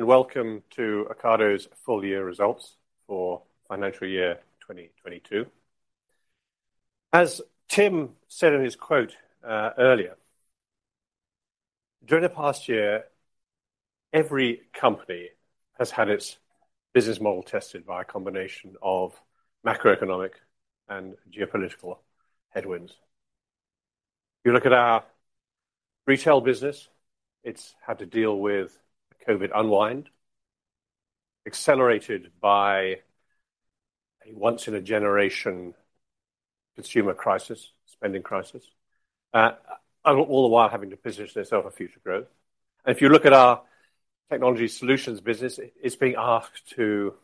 Welcome to Ocado's full year results for financial year 2022. As Tim said in his quote, earlier, during the past year, every company has had its business model tested by a combination of macroeconomic and geopolitical headwinds. You look at our retail business, it's had to deal with a COVID unwind, accelerated by a once in a generation consumer crisis, spending crisis. All the while having to position themselves for future growth. You look at our technology solutions business, it's being asked to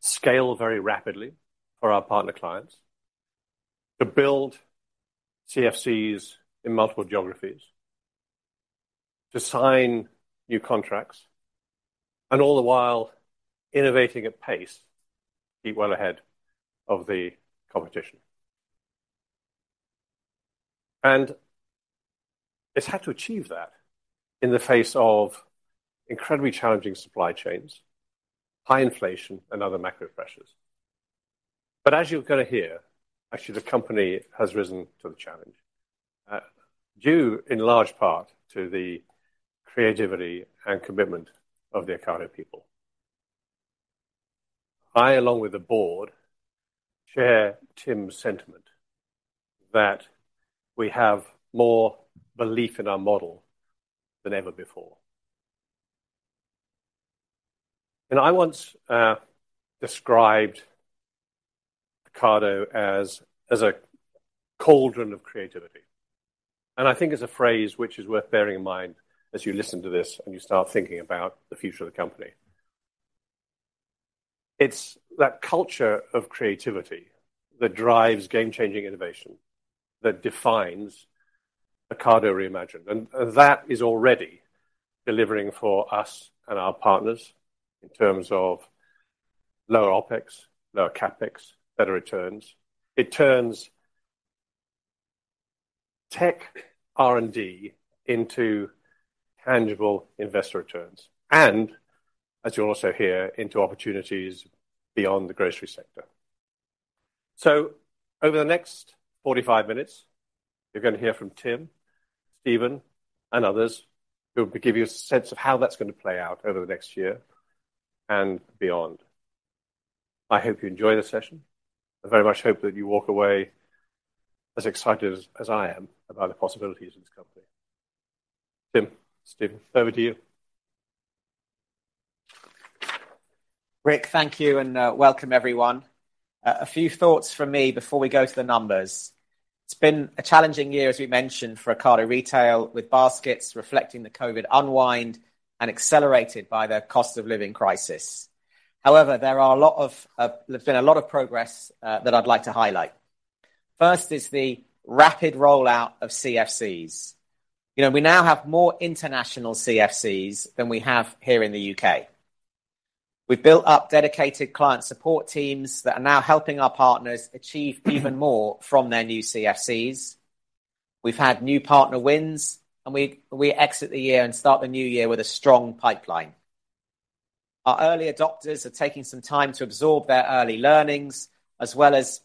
scale very rapidly for our partner clients to build CFCs in multiple geographies, to sign new contracts, and all the while innovating at pace to be well ahead of the competition. It's had to achieve that in the face of incredibly challenging supply chains high inflation and other macro pressures. As you're gonna hear, actually the company has risen to the challenge, due in large part to the creativity and commitment of the Ocado people. I, along with the board, share Tim's sentiment that we have more belief in our model than ever before. I once described Ocado as a cauldron of creativity, and I think it's a phrase which is worth bearing in mind as you listen to this and you start thinking about the future of the company. It's that culture of creativity that drives game-changing innovation, that defines Ocado Reimagined. That is already delivering for us and our partners in terms of lower OpEx, lower CapEx, better returns. It turns tech R&D into tangible investor returns, as you'll also hear, into opportunities beyond the grocery sector. Over the next 45 minutes, you're gonna hear from Tim, Stephen, and others, who will give you a sense of how that's gonna play out over the next year and beyond. I hope you enjoy the session. I very much hope that you walk away as excited as I am about the possibilities of this company. Tim, Stephen, over to you. Rick, thank you, welcome everyone. A few thoughts from me before we go to the numbers. It's been a challenging year, as we mentioned, for Ocado Retail, with baskets reflecting the COVID unwind and accelerated by the cost of living crisis. However, there's been a lot of progress that I'd like to highlight. First is the rapid rollout of CFCs. You know, we now have more international CFCs than we have here in the UK. We've built up dedicated client support teams that are now helping our partners achieve even more from their new CFCs. We've had new partner wins, we exit the year and start the new year with a strong pipeline. Our early adopters are taking some time to absorb their early learnings, as well as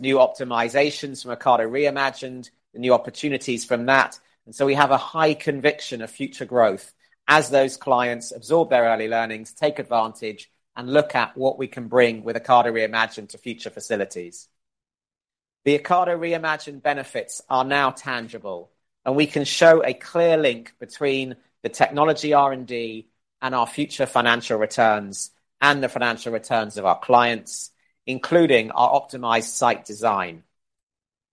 new optimizations from Ocado Reimagined, the new opportunities from that. We have a high conviction of future growth as those clients absorb their early learnings, take advantage, and look at what we can bring with Ocado Reimagined to future facilities. The Ocado Reimagined benefits are now tangible, and we can show a clear link between the technology R&D and our future financial returns, and the financial returns of our clients, including our optimized site design.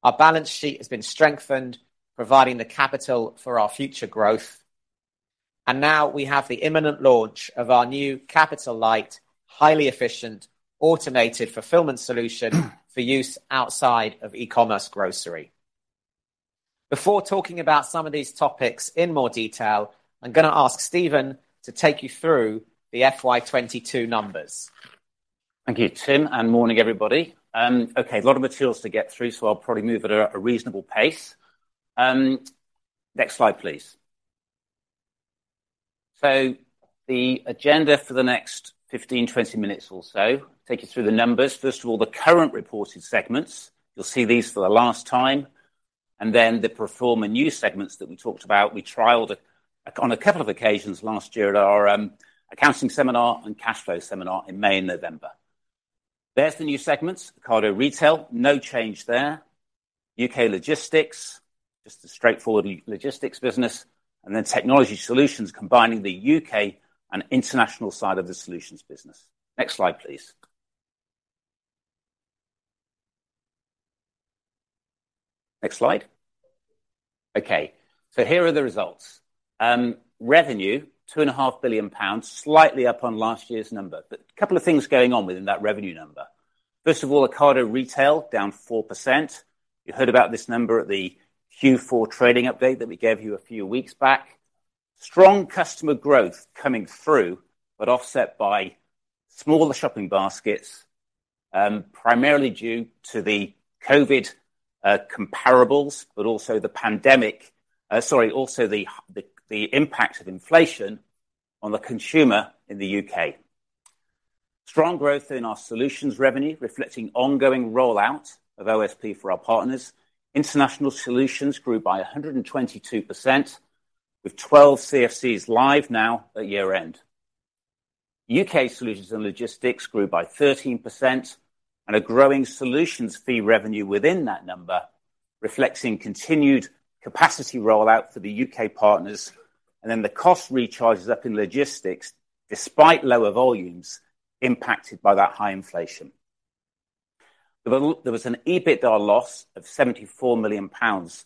Our balance sheet has been strengthened, providing the capital for our future growth. We have the imminent launch of our new capital light, highly efficient, automated fulfillment solution for use outside of E-commerce grocery. Before talking about some of these topics in more detail. I'm gonna ask Stephen to take you through the FY 2022 numbers. Thank you, Tim. Morning, everybody. Okay, a lot of materials to get through. I'll probably move at a reasonable pace. Next slide, please. The agenda for the next 15, 20 minutes or so, take you through the numbers. First of all, the current reported segments, you'll see these for the last time. The pro forma new segments that we talked about. We trialed on a couple of occasions last year at our accounting seminar and cash flow seminar in May and November. There's the new segments. Ocado Retail, no change there. UK Logistics, just a straightforward logistics business. Technology Solutions, combining the UK and international side of the solutions business. Next slide, please. Next slide. Okay. Here are the results. Revenue, 2.5 billion pounds, slightly up on last year's number. A couple of things going on within that revenue number. First of all, Ocado Retail down 4%. You heard about this number at the Q4 trading update that we gave you a few weeks back. Strong customer growth coming through, but offset by smaller shopping baskets Primarily due to the COVID comparables, but also the impact of inflation on the consumer in the UK. Strong growth in our solutions revenue, reflecting ongoing rollout of OSP for our partners. International solutions grew by 122%, with 12 CFCs live now at year-end. UK solutions and logistics grew by 13% and a growing solutions fee revenue within that number, reflecting continued capacity rollout for the UK partners, the cost recharges up in logistics despite lower volumes impacted by that high inflation. There was an EBITDA loss of 74 million pounds,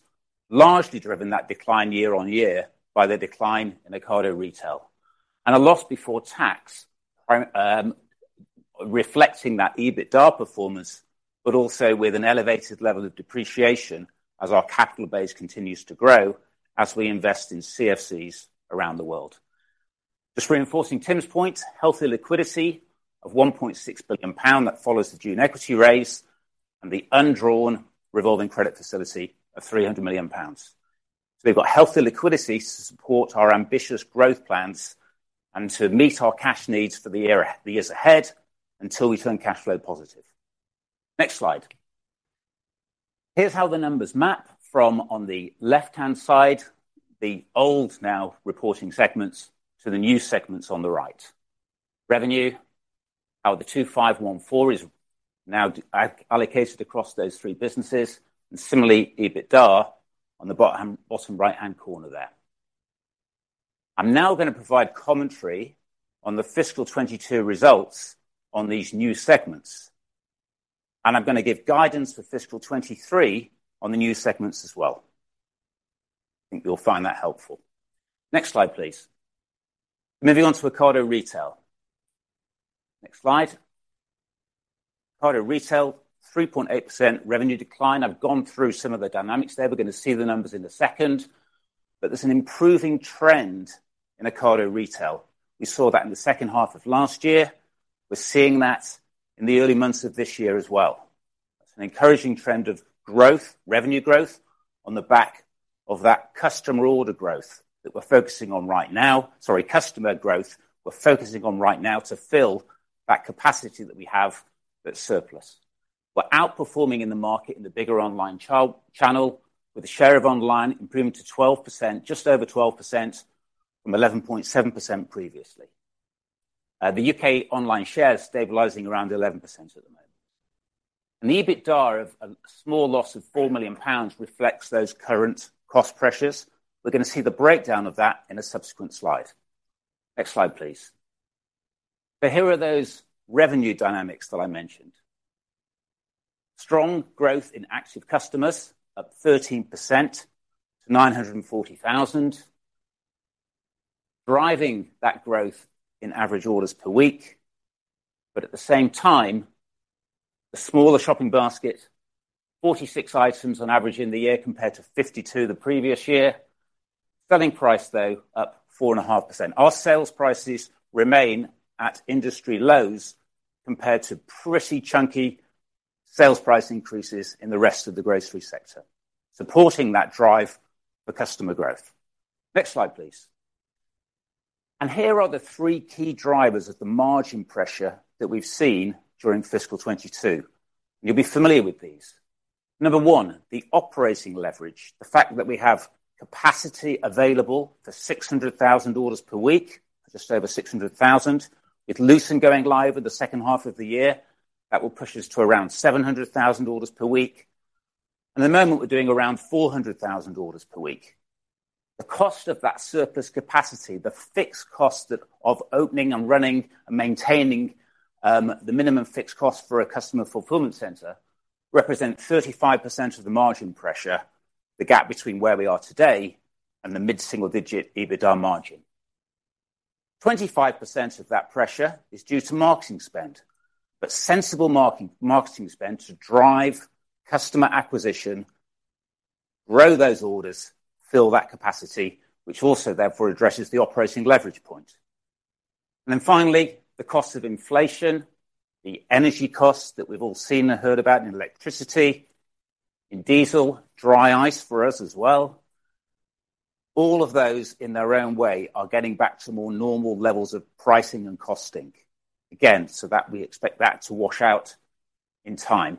largely driven that decline year-on-year by the decline in Ocado Retail. A loss before tax reflecting that EBITDA performance, but also with an elevated level of depreciation as our capital base continues to grow as we invest in CFCs around the world. Just reinforcing Tim's point, healthy liquidity of 1.6 billion pound that follows the June equity raise and the undrawn revolving credit facility of 300 million pounds. We've got healthy liquidity to support our ambitious growth plans and to meet our cash needs for the years ahead until we turn cash flow positive. Next slide. Here's how the numbers map from on the left-hand side, the old now reporting segments, to the new segments on the right. Revenue, how the 2,514 is now allocated across those three businesses and similarly EBITDA on the bottom right-hand corner there. I'm now gonna provide commentary on the fiscal 2022 results on these new segments, and I'm gonna give guidance for fiscal 2023 on the new segments as well. I think you'll find that helpful. Next slide, please. Moving on to Ocado Retail. Next slide. Ocado Retail, 3.8% revenue decline. I've gone through some of the dynamics there. We're gonna see the numbers in a second. There's an improving trend in Ocado Retail. We saw that in the second half of last year. We're seeing that in the early months of this year as well. It's an encouraging trend of growth, revenue growth, on the back of that customer order growth that we're focusing on right now. Sorry, customer growth we're focusing on right now to fill that capacity that we have that's surplus. We're outperforming in the market in the bigger online channel with a share of online improving to 12%, just over 12% from 11.7% previously. The U.K. online share is stabilizing around 11% at the moment. An EBITDA of a small loss of 4 million pounds reflects those current cost pressures. We're gonna see the breakdown of that in a subsequent slide. Next slide, please. Here are those revenue dynamics that I mentioned. Strong growth in active customers, up 13% to 940,000. Driving that growth in average orders per week, but at the same time, the smaller shopping basket, 46 items on average in the year compared to 52 the previous year. Selling price though, up 4.5%. Our sales prices remain at industry lows compared to pretty chunky sales price increases in the rest of the grocery sector, supporting that drive for customer growth. Next slide, please. Here are the three key drivers of the margin pressure that we've seen during fiscal 22. You'll be familiar with these. Number one, the operating leverage. The fact that we have capacity available for 600,000 orders per week, just over 600,000. With Luton going live in the second half of the year, that will push us to around 700,000 orders per week. The moment we're doing around 400,000 orders per week. The cost of that surplus capacity, the fixed cost of opening and running and maintaining, the minimum fixed cost for a Customer Fulfilment Centre represent 35% of the margin pressure, the gap between where we are today and the mid-single digit EBITDA margin. 25% of that pressure is due to marketing spend, sensible marketing spend to drive customer acquisition, grow those orders, fill that capacity, which also therefore addresses the operating leverage point. Finally, the cost of inflation, the energy costs that we've all seen and heard about in electricity, in diesel, dry ice for us as well. All of those in their own way are getting back to more normal levels of pricing and costing. Again, that we expect that to wash out in time.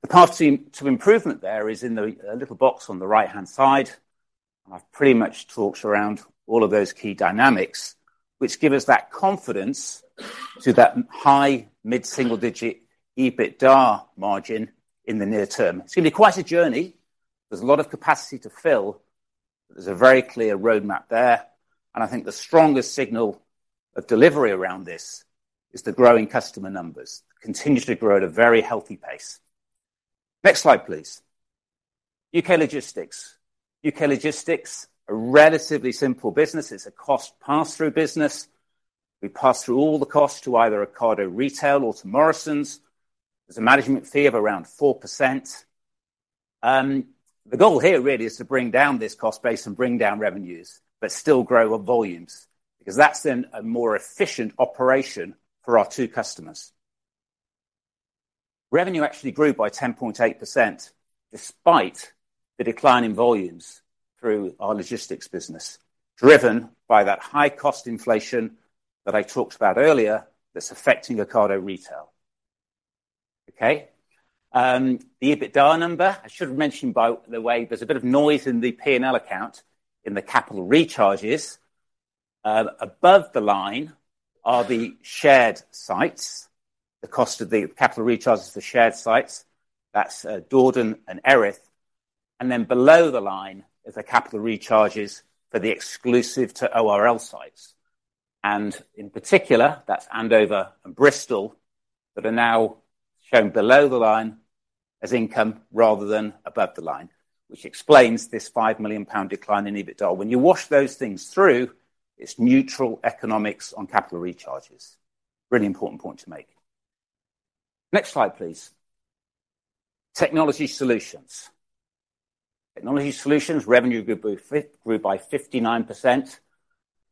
The path to improvement there is in the little box on the right-hand side. I've pretty much talked around all of those key dynamics, which give us that confidence to that high mid-single digit EBITDA margin in the near term. It's gonna be quite a journey. There's a lot of capacity to fill. There's a very clear roadmap there. I think the strongest signal of delivery around this is the growing customer numbers, continue to grow at a very healthy pace. Next slide, please. U.K. logistics. U.K. logistics, a relatively simple business. It's a cost pass-through business. We pass through all the costs to either Ocado Retail or to Morrisons. There's a management fee of around 4%. The goal here really is to bring down this cost base and bring down revenues, but still grow our volumes, because that's then a more efficient operation for our two customers. Revenue actually grew by 10.8% despite the decline in volumes through our logistics business, driven by that high cost inflation that I talked about earlier that's affecting Ocado Retail. Okay? The EBITDA number, I should have mentioned by the way, there's a bit of noise in the P&L account in the capital recharges. Above the line are the shared sites, the cost of the capital recharges for shared sites that's, Dordon and Erith. Below the line is the capital recharges for the exclusive to ORL sites. In particular, that's Andover and Bristol, that are now shown below the line as income rather than above the line, which explains this 5 million pound decline in EBITDA. When you wash those things through, it's neutral economics on capital recharges. Really important point to make. Next slide, please. Technology solutions. Technology solutions, revenue grew by 59%.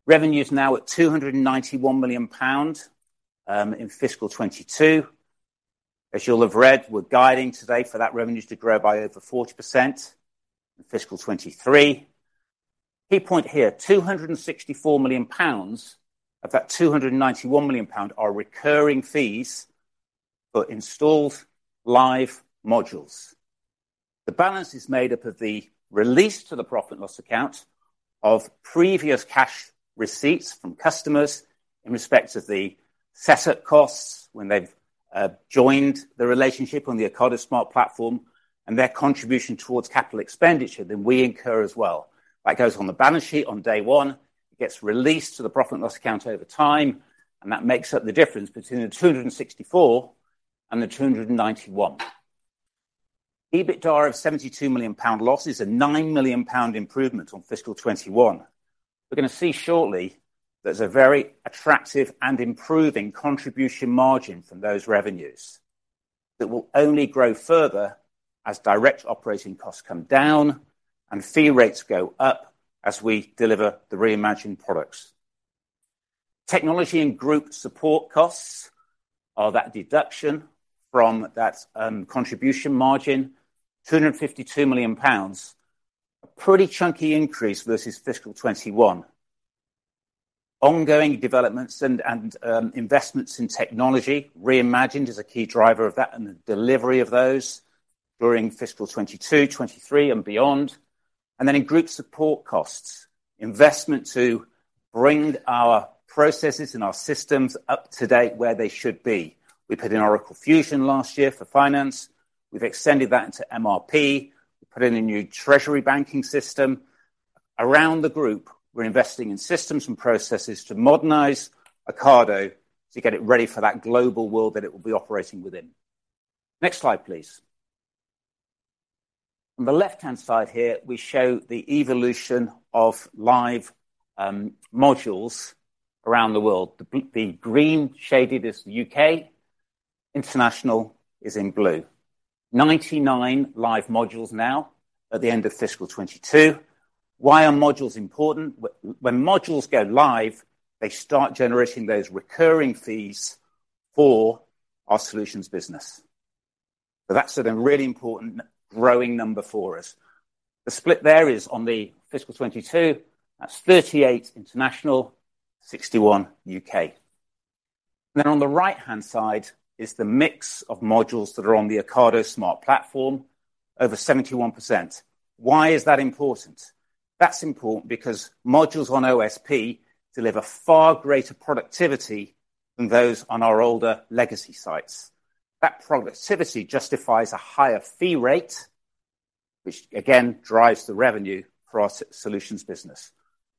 Revenue is now at 291 million pounds in fiscal 2022. As you'll have read, we're guiding today for that revenue to grow by over 40% in fiscal 2023. Key point here, 264 million pounds of that 291 million pound are recurring fees for installed live modules. The balance is made up of the release to the profit and loss account of previous cash receipts from customers in respect of the set-up costs when they've joined the relationship on the Ocado Smart Platform and their contribution towards capital expenditure that we incur as well. That goes on the balance sheet on day one. It gets released to the profit and loss account over time, and that makes up the difference between the 264 and the 291. EBITDA of 72 million pound loss is a 9 million pound improvement on fiscal 2021. We're gonna see shortly there's a very attractive and improving contribution margin from those revenues that will only grow further as direct operating costs come down and fee rates go up as we deliver the Reimagined products. Technology and group support costs are that deduction from that contribution margin, 252 million pounds. A pretty chunky increase versus fiscal 2021. Ongoing developments and investments in Ocado Reimagined as a key driver of that and the delivery of those during fiscal 2022, 2023 and beyond. In group support costs, investment to bring our processes and our systems up to date where they should be. We put in Oracle Fusion last year for finance. We've extended that into MRP. We put in a new treasury banking system. Around the group, we're investing in systems and processes to modernize Ocado to get it ready for that global world that it will be operating within. Next slide, please. On the left-hand side here, we show the evolution of live modules around the world. The green shaded is the UK, international is in blue. 99 live modules now at the end of fiscal 2022. Why are modules important? When modules go live, they start generating those recurring fees for our solutions business. That's a really important growing number for us. The split there is on the fiscal 2022, that's 38 international, 61 UK. On the right-hand side is the mix of modules that are on the Ocado Smart Platform, over 71%. Why is that important? That's important because modules on OSP deliver far greater productivity than those on our older legacy sites. That productivity justifies a higher fee rate, which again drives the revenue for our solutions business.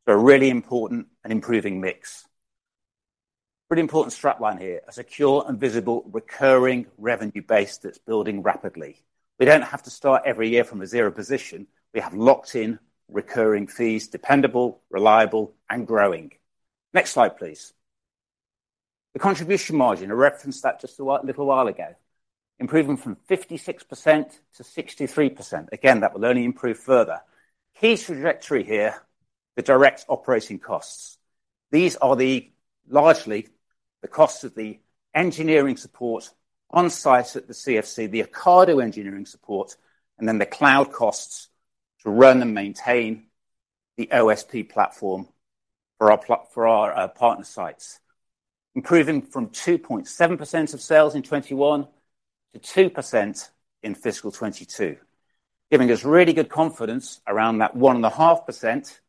A really important and improving mix. Really important strap line here, a secure and visible recurring revenue base that's building rapidly. We don't have to start every year from a zero position. We have locked-in recurring fees, dependable, reliable and growing. Next slide, please. The contribution margin, I referenced that just a little while ago. Improvement from 56% to 63%. Again, that will only improve further. Key trajectory here, the direct operating costs. These are largely the cost of the engineering support on-site at the CFC, the Ocado engineering support, and then the cloud costs to run and maintain the OSP platform for our partner sites. Improving from 2.7% of sales in 2021 to 2% in fiscal 2022, giving us really good confidence around that 1.5%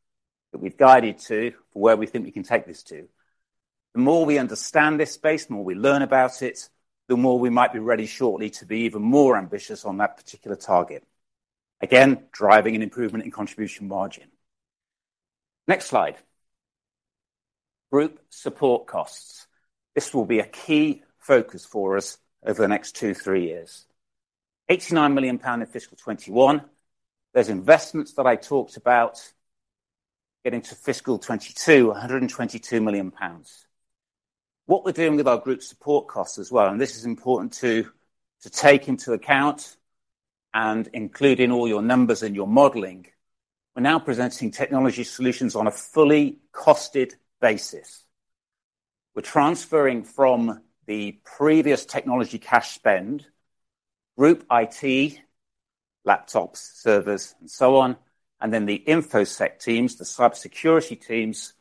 that we've guided to for where we think we can take this to. The more we understand this space, the more we learn about it, the more we might be ready shortly to be even more ambitious on that particular target. Again, driving an improvement in contribution margin. Next slide. Group support costs. This will be a key focus for us over the next two-three years. 89 million pound in fiscal 2021. There's investments that I talked about Get into fiscal 2022, 122 million pounds. What we're doing with our group support costs as well, this is important to take into account and include in all your numbers in your modeling. We're now presenting technology solutions on a fully costed basis. We're transferring from the previous technology cash spend, group IT, laptops, servers, and so on, and then the InfoSec teams, the cybersecurity teams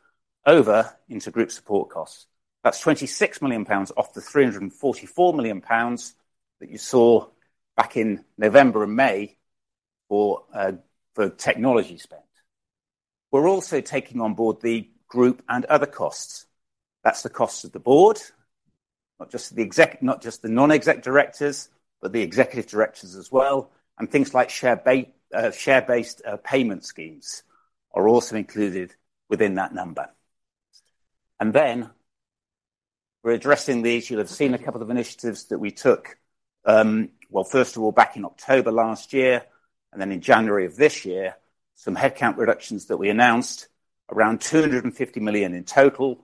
over into group support costs. That's 26 million pounds off the 344 million pounds that you saw back in November and May for technology spend. We're also taking on board the group and other costs. That's the cost of the board, not just the non-exec directors, but the executive directors as well, and things like share-based payment schemes are also included within that number. We're addressing these. You'll have seen a couple of initiatives that we took well first of all back in October last year, in January of this year, some headcount reductions that we announced, around 250 million in total,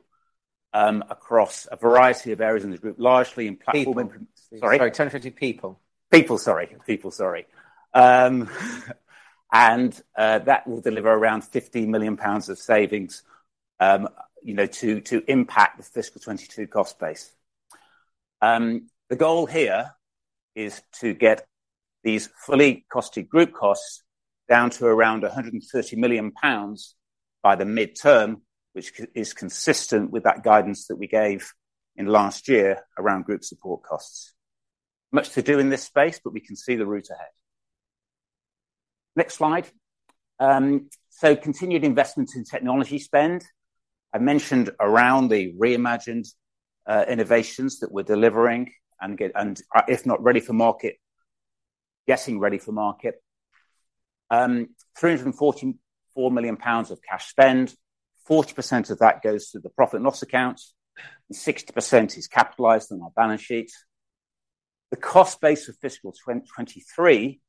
across a variety of areas in the group, largely in platform. People. Sorry? Sorry, 1,050 people. People, sorry. That will deliver around 50 million pounds of savings, you know, to impact the fiscal 2022 cost base. The goal here is to get these fully costed group costs down to around 130 million pounds by the midterm, which is consistent with that guidance that we gave in last year around group support costs. Much to do in this space, but we can see the route ahead. Next slide. Continued investments in technology spend. I mentioned around the Ocado Reimagined innovations that we're delivering and if not ready for market, getting ready for market. 344 million pounds of cash spend. 40% of that goes to the profit and loss account, and 60% is capitalized on our balance sheet. The cost base for fiscal 2023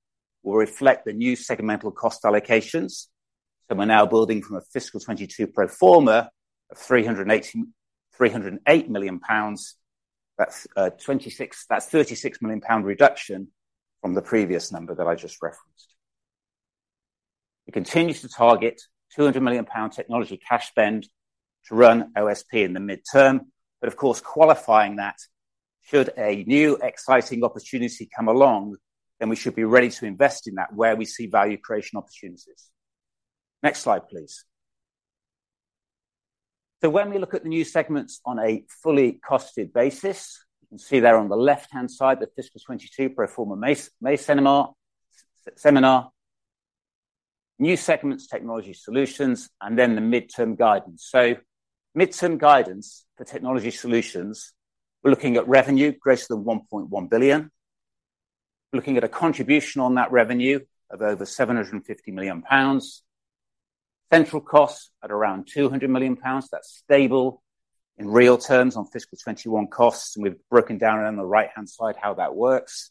will reflect the new segmental cost allocations. We're now building from a fiscal 2022 pro forma of 308 million pounds. That's a 36 million pound reduction from the previous number that I just referenced. We continue to target 200 million pound technology cash spend to run OSP in the midterm. Of course, qualifying that should a new exciting opportunity come along, we should be ready to invest in that where we see value creation opportunities. Next slide, please. When we look at the new segments on a fully costed basis, you can see there on the left-hand side, the fiscal 2022 pro forma seminar. New segments, technology solutions, and the midterm guidance. Midterm guidance for technology solutions, we're looking at revenue greater than 1.1 billion. We're looking at a contribution on that revenue of over 750 million pounds. Central costs at around 200 million pounds. That's stable in real terms on fiscal 2021 costs, and we've broken down on the right-hand side how that works.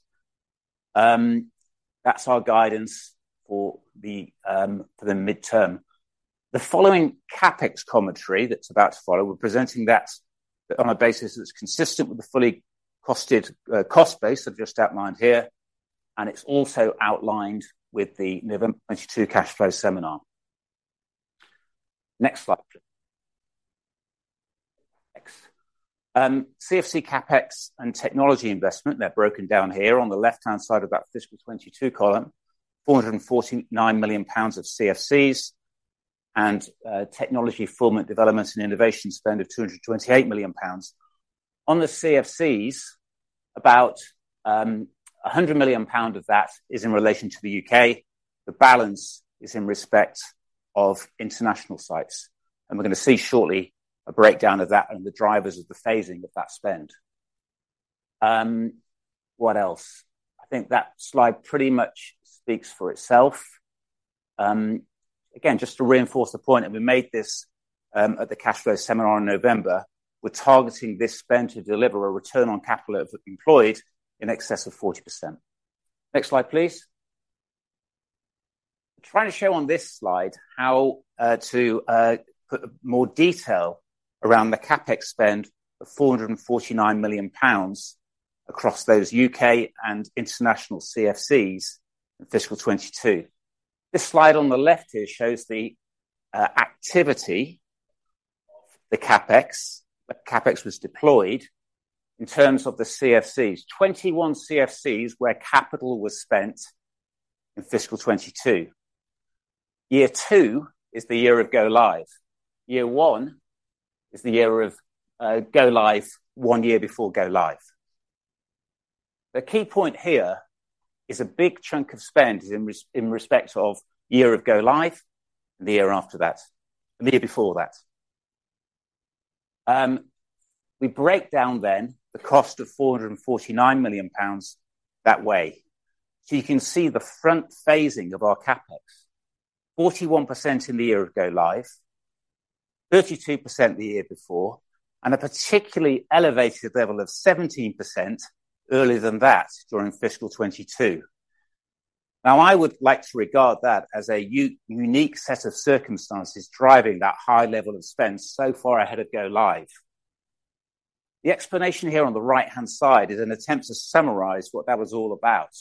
That's our guidance for the midterm. The following CapEx commentary that's about to follow, we're presenting that on a basis that's consistent with the fully costed cost base I've just outlined here, and it's also outlined with the November 2022 cash flow seminar. Next slide, please. Thanks. CFC CapEx and technology investment, they're broken down here on the left-hand side of that fiscal 2022 column. 449 million pounds of CFCs and technology development and innovation spend of 228 million pounds. On the CFCs, about 100 million pound of that is in relation to the UK. The balance is in respect of international sites, we're gonna see shortly a breakdown of that and the drivers of the phasing of that spend. What else? I think that slide pretty much speaks for itself. Again, just to reinforce the point, we made this at the cash flow seminar in November. We're targeting this spend to deliver a return on capital employed in excess of 40%. Next slide, please. Trying to show on this slide how to put more detail around the CapEx spend of 449 million pounds across those UK and international CFCs in fiscal 2022. This slide on the left here shows the activity of the CapEx. The CapEx was deployed in terms of the CFCs. 21 CFCs where capital was spent in fiscal 2022. Year two is the year of go live. Year one is the year of go live, one year before go live. The key point here is a big chunk of spend is in respect of year of go live and the year after that, and the year before that. We break down then the cost of 449 million pounds that way. You can see the front phasing of our CapEx, 41% in the year of go live, 32% the year before, and a particularly elevated level of 17% earlier than that during fiscal 2022. I would like to regard that as a unique set of circumstances driving that high level of spend so far ahead of go live. The explanation here on the right-hand side is an attempt to summarize what that was all about.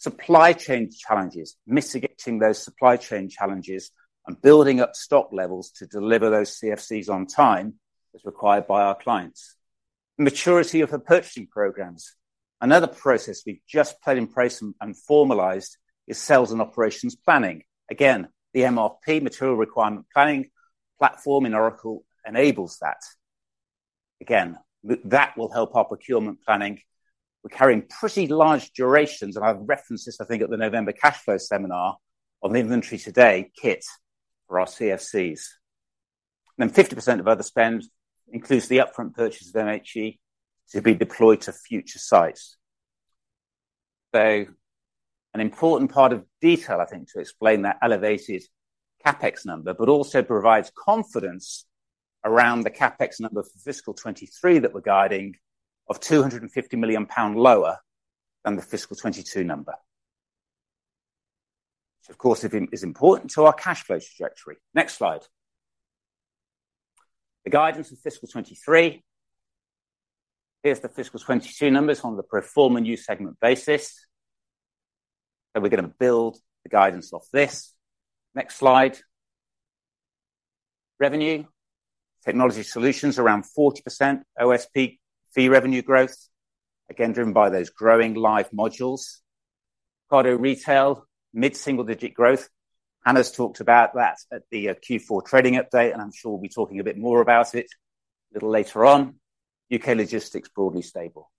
Supply chain challenges, mitigating those supply chain challenges, and building up stock levels to deliver those CFCs on time as required by our clients. Maturity of the purchasing programs. Another process we've just put in place and formalized is sales and operations planning. The MRP, material requirement planning platform in Oracle enables that. That will help our procurement planning. We're carrying pretty large durations, and I referenced this, I think, at the November cash flow seminar on the inventory today kit for our CFCs. 50% of other spend includes the upfront purchase of NHE to be deployed to future sites. An important part of detail, I think, to explain that elevated CapEx number, but also provides confidence around the CapEx number for fiscal 2023 that we're guiding of 250 million pound lower than the fiscal 2022 number. Which, of course, is important to our cash flow trajectory. Next slide. The guidance for fiscal 2023. Here's the fiscal 2022 numbers on the pro forma new segment basis. We're going to build the guidance off this. Next slide. Revenue. Technology solutions around 40% OSP fee revenue growth, again, driven by those growing live modules. Ocado Retail, mid-single-digit growth. Hannah's talked about that at the Q4 trading update. I'm sure we'll be talking a bit more about it a little later on. UK Logistics, broadly stable.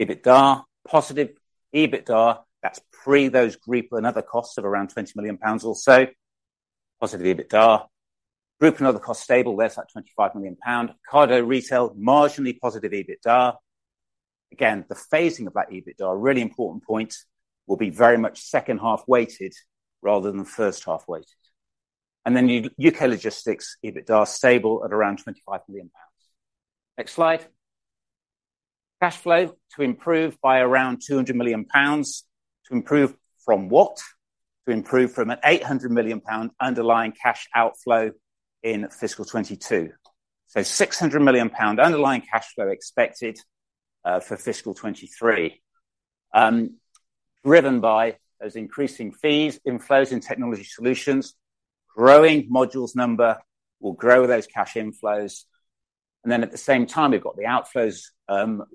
EBITDA, positive EBITDA. That's pre those group and other costs of around 20 million pounds or so. Positive EBITDA. Group and other costs stable, there's that 25 million pound. Ocado Retail, marginally positive EBITDA. Again, the phasing of that EBITDA, a really important point, will be very much second half weighted rather than first half weighted. Then UK Logistics EBITDA, stable at around 25 million pounds. Next slide. Cash flow to improve by around 200 million pounds. To improve from what? To improve from an 800 million pound underlying cash outflow in fiscal 2022. 600 million pound underlying cash flow expected for fiscal 2023. Driven by those increasing fees, inflows in technology solutions, growing modules number will grow those cash inflows. At the same time, we've got the outflows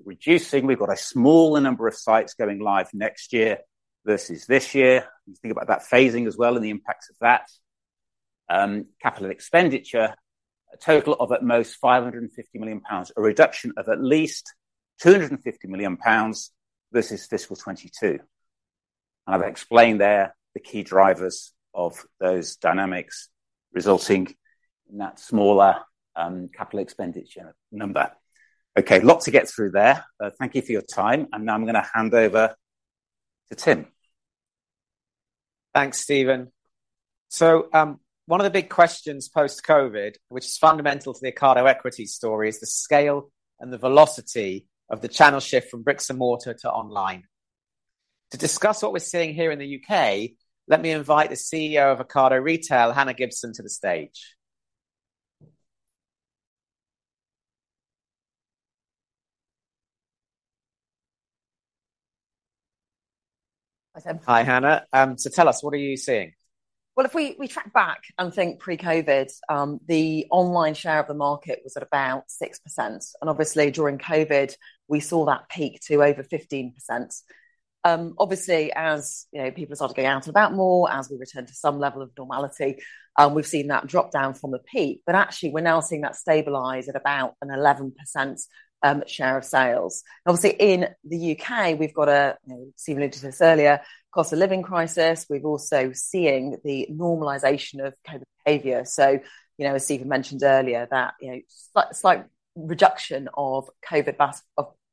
reducing. We've got a smaller number of sites going live next year versus this year. Think about that phasing as well and the impacts of that. Capital expenditure, a total of at most 550 million pounds, a reduction of at least 250 million pounds versus fiscal 2022. I've explained there the key drivers of those dynamics resulting in that smaller capital expenditure number. Lots to get through there. Thank you for your time. I'm going to hand over to Tim. Thanks, Stephen. One of the big questions post-COVID, which is fundamental to the Ocado equity story, is the scale and the velocity of the channel shift from bricks and mortar to online. To discuss what we're seeing here in the UK, let me invite the CEO of Ocado Retail, Hannah Gibson, to the stage. Hi, Tim. Hi, Hannah. Tell us, what are you seeing? If we track back and think pre-COVID, the online share of the market was at about 6%. Obviously, during COVID, we saw that peak to over 15%. Obviously, as, you know, people started to go out and about more, as we returned to some level of normality, we've seen that drop down from the peak. Actually, we're now seeing that stabilize at about an 11% share of sales. Obviously, in the UK, we've got a, you know, Stephen alluded to this earlier, cost of living crisis. We're also seeing the normalization of COVID behavior. As Stephen mentioned earlier, that, you know, slight reduction of COVID,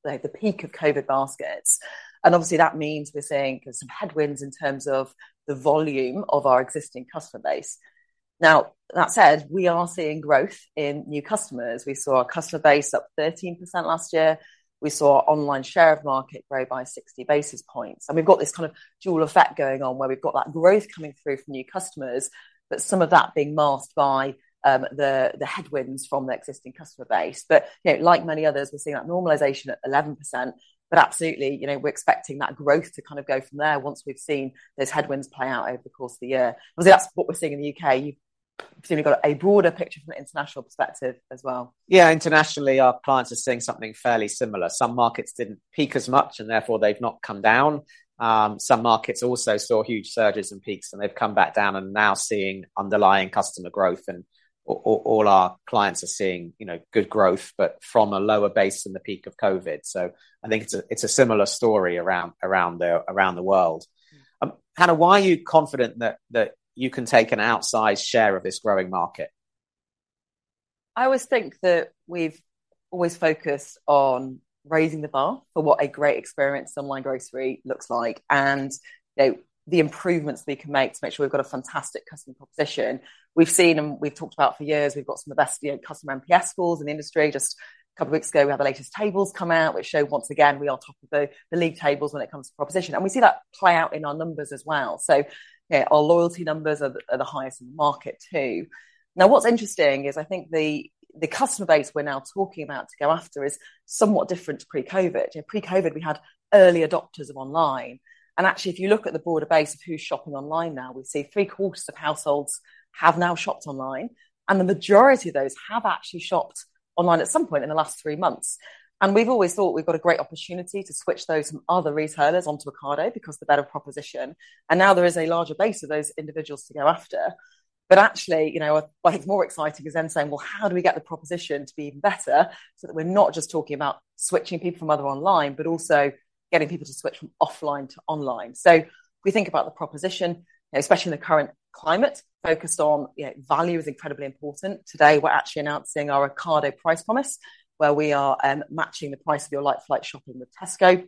like, the peak of COVID baskets. Obviously, that means we're seeing kind of some headwinds in terms of the volume of our existing customer base. Now, that said, we are seeing growth in new customers. We saw our customer base up 13% last year. We saw our online share of market grow by 60 basis points. We've got this kind of dual effect going on, where we've got that growth coming through from new customers, but some of that being masked by the headwinds from the existing customer base. You know, like many others, we're seeing that normalization at 11%. Absolutely, you know, we're expecting that growth to kind of go from there once we've seen those headwinds play out over the course of the year. Obviously, that's what we're seeing in the U.K. You've presumably got a broader picture from an international perspective as well. Yeah. Internationally, our clients are seeing something fairly similar. Some markets didn't peak as much, therefore they've not come down. Some markets also saw huge surges and peaks, they've come back down and now seeing underlying customer growth. All our clients are seeing, you know, good growth, but from a lower base than the peak of COVID. I think it's a similar story around the world. Hannah, why are you confident that you can take an outsized share of this growing market? I always think that we've always focused on raising the bar for what a great experience online grocery looks like, and, you know, the improvements we can make to make sure we've got a fantastic customer proposition. We've seen, and we've talked about for years, we've got some of the best, you know, customer NPS scores in the industry. Just a couple of weeks ago, we had the latest tables come out, which show once again we are top of the league tables when it comes to proposition. We see that play out in our numbers as well. Yeah, our loyalty numbers are the, are the highest in the market too. Now, what's interesting is I think the customer base we're now talking about to go after is somewhat different to pre-COVID. You know, pre-COVID, we had early adopters of online. Actually, if you look at the broader base of who's shopping online now, we see three-quarters of households have now shopped online, and the majority of those have actually shopped online at some point in the last three months. We've always thought we've got a great opportunity to switch those from other retailers onto Ocado because the better proposition, and now there is a larger base of those individuals to go after. Actually, you know, what I think is more exciting is then saying, "Well, how do we get the proposition to be even better so that we're not just talking about switching people from other online, but also getting people to switch from offline to online?" We think about the proposition, you know, especially in the current climate, focused on, you know, value is incredibly important. Today, we're actually announcing our Ocado Price Promise, where we are matching the price of your Like-for-Like shopping with Tesco.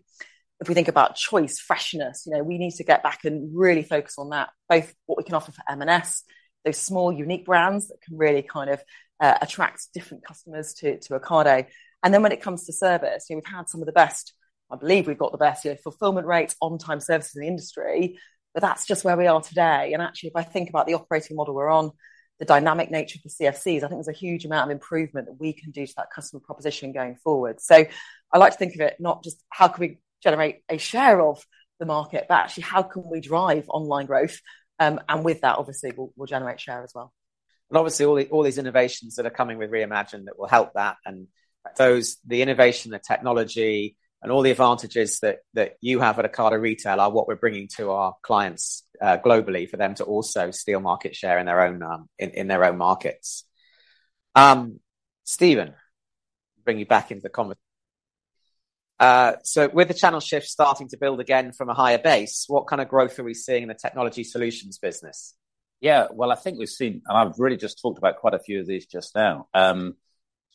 If we think about choice, freshness, you know, we need to get back and really focus on that, both what we can offer for M&S, those small, unique brands that can really kind of attract different customers to Ocado. When it comes to service, you know, we've had some of the best. I believe we've got the best, you know, fulfillment rates, on-time services in the industry, but that's just where we are today. If I think about the operating model we're on, the dynamic nature of the CFCs, I think there's a huge amount of improvement that we can do to that customer proposition going forward. I like to think of it not just how can we generate a share of the market, but actually how can we drive online growth. With that, obviously, we'll generate share as well. Obviously, all these innovations that are coming with Ocado Reimagined that will help that and those, the innovation, the technology, and all the advantages that you have at Ocado Retail are what we're bringing to our clients globally for them to also steal market share in their own markets. Stephen, bring you back into the conversation. With the channel shift starting to build again from a higher base, what kind of growth are we seeing in the technology solutions business? Well, I think we've seen, and I've really just talked about quite a few of these just now,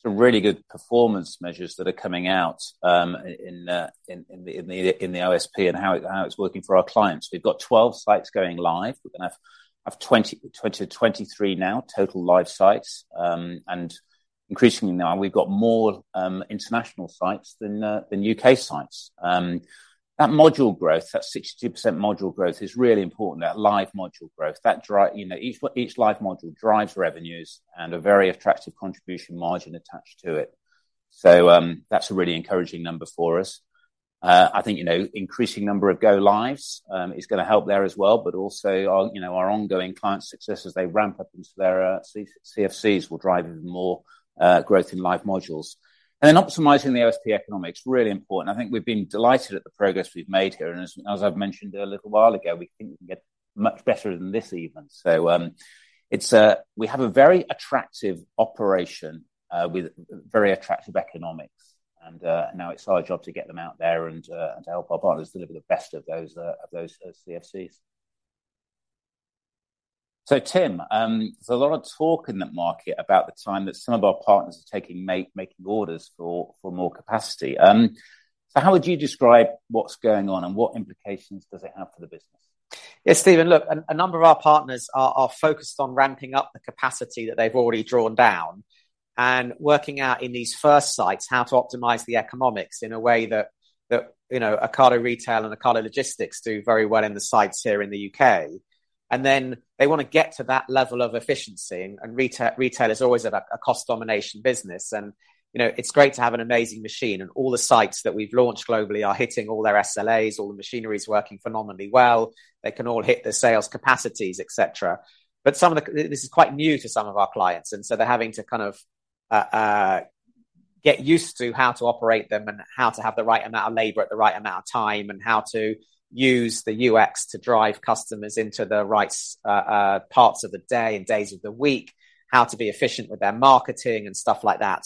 some really good performance measures that are coming out in the OSP and how it's working for our clients. We've got 12 sites going live. We're gonna have 20-23 now total live sites. Increasingly now we've got more international sites than U.K. sites. That module growth, that 62% module growth is really important, that live module growth. You know, each live module drives revenues and a very attractive contribution margin attached to it. That's a really encouraging number for us. I think, you know, increasing number of go lives is gonna help there as well, but also our, you know, our ongoing client success as they ramp up into their CFCs will drive even more growth in live modules. Optimizing the OSP economics, really important. I think we've been delighted at the progress we've made here, and as I've mentioned a little while ago, we think we can get much better than this even. It's, we have a very attractive operation, with very attractive economics and, now it's our job to get them out there and to help our partners deliver the best of those, of those CFCs. Tim, there's a lot of talk in the market about the time that some of our partners are taking making orders for more capacity. How would you describe what's going on, and what implications does it have for the business? Yeah, Stephen, look, a number of our partners are focused on ramping up the capacity that they've already drawn down and working out in these first sites how to optimize the economics in a way that, you know, Ocado Retail and Ocado Logistics do very well in the sites here in the UK. Then they wanna get to that level of efficiency, and retail is always a cost domination business. You know, it's great to have an amazing machine, and all the sites that we've launched globally are hitting all their SLAs, all the machinery is working phenomenally well. They can all hit their sales capacities, et cetera. But some of the... This is quite new to some of our clients. They're having to kind of get used to how to operate them and how to have the right amount of labor at the right amount of time, and how to use the UX to drive customers into the right parts of the day and days of the week, how to be efficient with their marketing and stuff like that.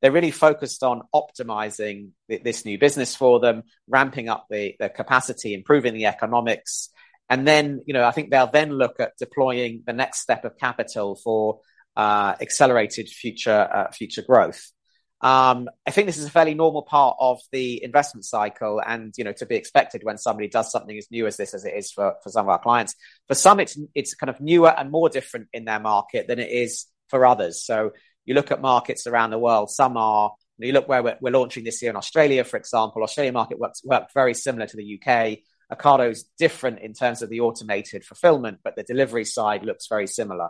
They're really focused on optimizing this new business for them, ramping up the capacity, improving the economics. Then, you know, I think they'll then look at deploying the next step of capital for accelerated future growth. I think this is a fairly normal part of the investment cycle and, you know, to be expected when somebody does something as new as this as it is for some of our clients. For some, it's kind of newer and more different in their market than it is for others. You look at markets around the world, some are. You look where we're launching this year in Australia, for example. Australia market worked very similar to the U.K. Ocado's different in terms of the automated fulfillment, but the delivery side looks very similar,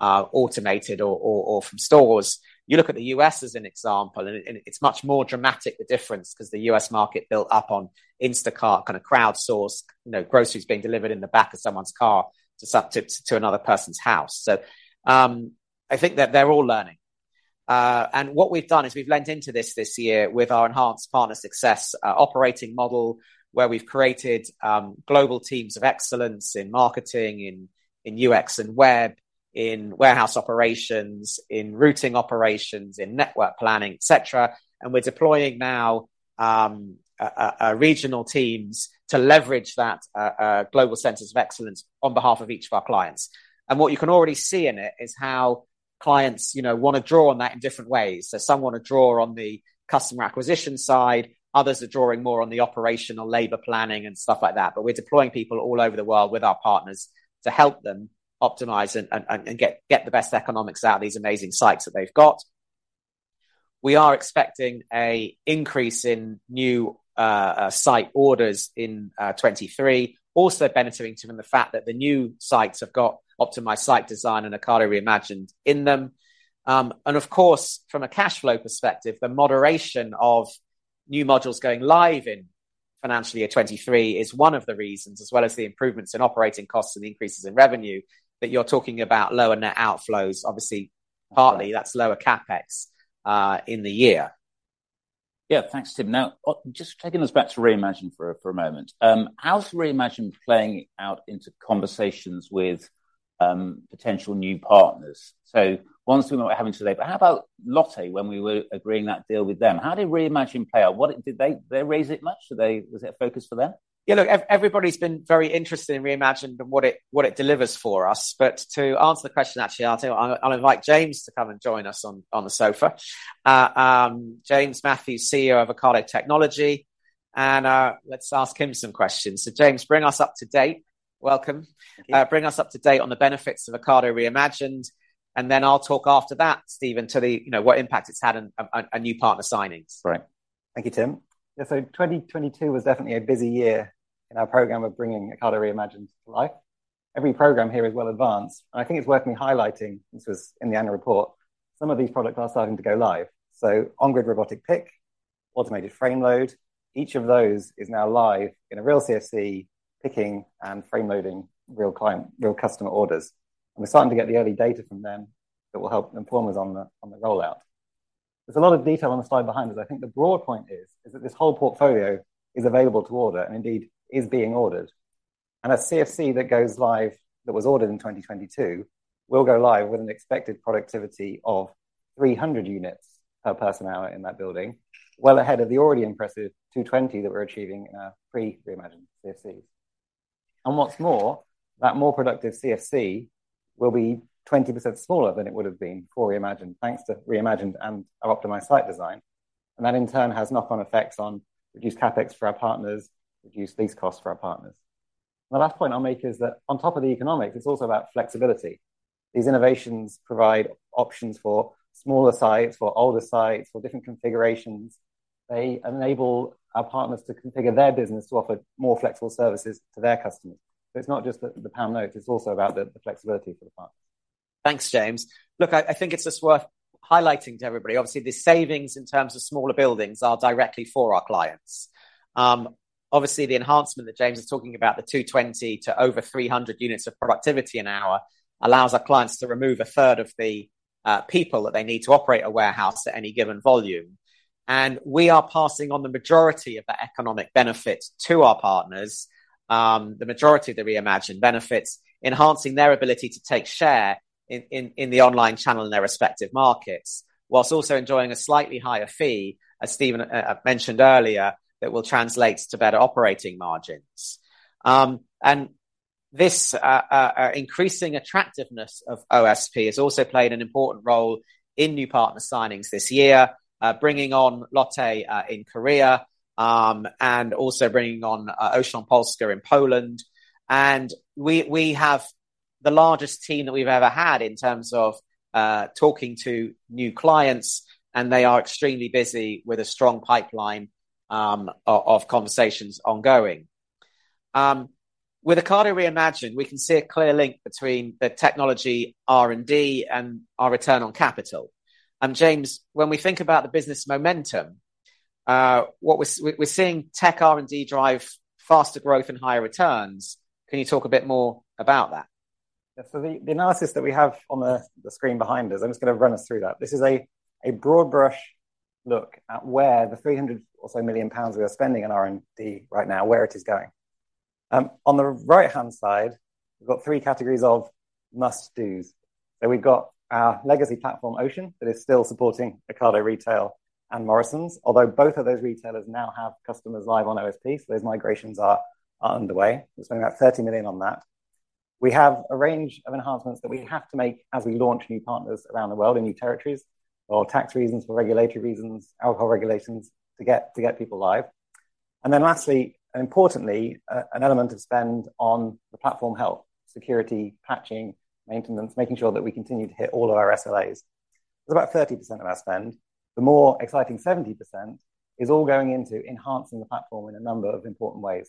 automated or from stores. You look at the U.S. as an example, and it's much more dramatic the difference 'cause the U.S. Market built up on Instacart, kind of crowdsourced, you know, groceries being delivered in the back of someone's car to another person's house. I think that they're all learning. What we've done is we've leaned into this this year with our enhanced partner success operating model, where we've created global teams of excellence in marketing, in UX and web, in warehouse operations, in routing operations, in network planning, et cetera. We're deploying regional teams to leverage that global centers of excellence on behalf of each of our clients. What you can already see in it is how clients, you know, wanna draw on that in different ways. Some wanna draw on the customer acquisition side, others are drawing more on the operational labor planning and stuff like that. We're deploying people all over the world with our partners to help them optimize and get the best economics out of these amazing sites that they've got. We are expecting a increase in new site orders in 2023, also benefiting from the fact that the new sites have got optimized site design and Ocado Reimagined in them. Of course, from a cash flow perspective, the moderation of new modules going live in financial year 2023 is one of the reasons, as well as the improvements in operating costs and increases in revenue, that you're talking about lower net outflows. Obviously, partly that's lower CapEx in the year. Yeah. Thanks, Tim. Now, just taking us back to Reimagined for a moment. How's Reimagined playing out into conversations with, potential new partners? Ones we're not having today, but how about Lotte when we were agreeing that deal with them? How did Reimagined play out? What did they raise it much? Was it a focus for them? You know, everybody's been very interested in Reimagined and what it delivers for us. To answer the question, actually, I'll tell you what, I'll invite James to come and join us on the sofa. James Matthews, CEO of Ocado Technology, and, let's ask him some questions. James, bring us up to date. Welcome. Thank you. Bring us up to date on the benefits of Ocado Reimagined. Then I'll talk after that, Stephen, to the, you know, what impact it's had on new partner signings. Great. Thank you, Tim. So 2022 was definitely a busy year in our program of bringing Ocado Reimagined to life. Every program here is well advanced, and I think it's worth me highlighting, this was in the annual report, some of these products are starting to go live. On-Grid Robotic Pick, Automated Frame Load, each of those is now live in a real CFC, picking and frame loading real client, real customer orders. We're starting to get the early data from them that will help inform us on the rollout. There's a lot of detail on the slide behind this. I think the broad point here is that this whole portfolio is available to order, and indeed is being ordered. A CFC that goes live that was ordered in 2022 will go live with an expected productivity of 300 units per person hour in that building, well ahead of the already impressive 220 that we're achieving in our pre-Reimagined CFCs. What's more, that more productive CFC will be 20% smaller than it would have been for Reimagined, thanks to Reimagined and our optimized site design. That in turn has knock-on effects on reduced CapEx for our partners, reduced lease costs for our partners. The last point I'll make is that on top of the economics, it's also about flexibility. These innovations provide options for smaller sites, for older sites, for different configurations. They enable our partners to configure their business to offer more flexible services to their customers. It's not just the pound notes, it's also about the flexibility for the partners. Thanks James. Look, I think it's just worth highlighting to everybody, obviously the savings in terms of smaller buildings are directly for our clients. Obviously the enhancement that James is talking about, the 220 to over 300 units of productivity an hour, allows our clients to remove a third of the people that they need to operate a warehouse at any given volume. We are passing on the majority of the economic benefit to our partners, the majority of the Ocado Reimagined benefits, enhancing their ability to take share in the online channel in their respective markets, whilst also enjoying a slightly higher fee, as Stephen mentioned earlier, that will translate to better operating margins. This increasing attractiveness of OSP has also played an important role in new partner signings this year, bringing on Lotte in Korea, and also bringing on Ocean and Auchan Polska in Poland. We have the largest team that we've ever had in terms of talking to new clients, and they are extremely busy with a strong pipeline of conversations ongoing. With Ocado Reimagined, we can see a clear link between the technology R&D and our return on capital. James, when we think about the business momentum, what we're seeing tech R&D drive faster growth and higher returns. Can you talk a bit more about that? The, the analysis that we have on the screen behind us, I'm just gonna run us through that. This is a broad brush look at where the 300 million or so we are spending on R&D right now, where it is going. On the right-hand side, we've got three categories of must-dos. We've got our legacy platform, Ocean, that is still supporting Ocado Retail and Morrisons, although both of those retailers now have customers live on OSP, so those migrations are underway. We're spending about 30 million on that. We have a range of enhancements that we have to make as we launch new partners around the world in new territories for tax reasons, for regulatory reasons, alcohol regulations, to get people live. Lastly, and importantly, an element of spend on the platform health, security, patching, maintenance, making sure that we continue to hit all of our SLAs. That's about 30% of our spend. The more exciting 70% is all going into enhancing the platform in a number of important ways.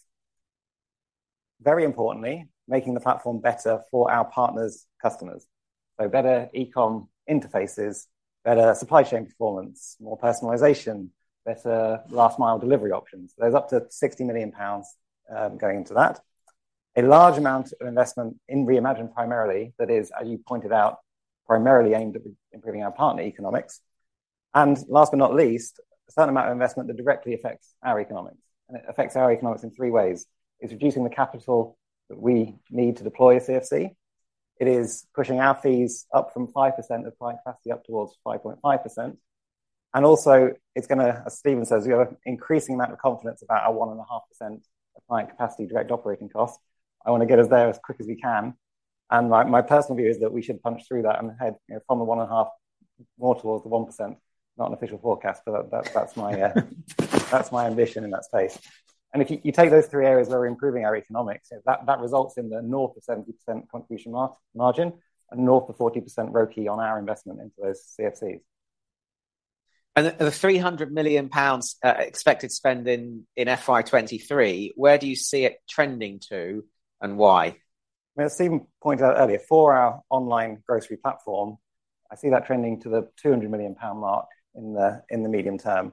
Very importantly, making the platform better for our partners' customers. Better eCom interfaces, better supply chain performance, more personalization, better last mile delivery options. There's up to 60 million pounds going into that. A large amount of investment in Reimagined primarily, that is, as you pointed out, primarily aimed at improving our partner economics. Last but not least, a certain amount of investment that directly affects our economics. It affects our economics in 3 ways. It's reducing the capital that we need to deploy a CFC. It is pushing our fees up from 5% of client capacity up towards 5.5%. Also, it's gonna, as Stephen says, we have an increasing amount of confidence about our 1.5% applying capacity direct operating cost. I want to get us there as quick as we can. My personal view is that we should punch through that on the head, you know, from the 1.5 more towards the 1%. Not an official forecast, but that's my ambition in that space. If you take those three areas where we're improving our economics, that results in the north of 70% contribution margin, and north of 40% ROCE on our investment into those CFCs. The 300 million pounds expected spend in FY 2023, where do you see it trending to, and why? Well, as Stephen pointed out earlier, for our online grocery platform, I see that trending to the 200 million pound mark in the medium term.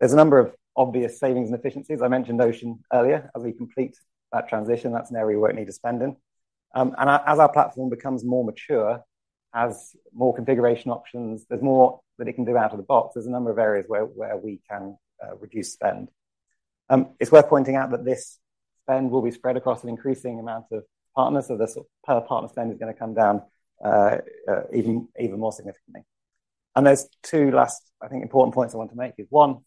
There's a number of obvious savings and efficiencies. I mentioned Ocean earlier. As we complete that transition, that's an area we won't need to spend in. As our platform becomes more mature, has more configuration options, there's more that it can do out of the box. There's a number of areas where we can reduce spend. It's worth pointing out that this spend will be spread across an increasing amount of partners, so the sort of per partner spend is gonna come down even more significantly. There's two last, I think, important points I want to make is, one,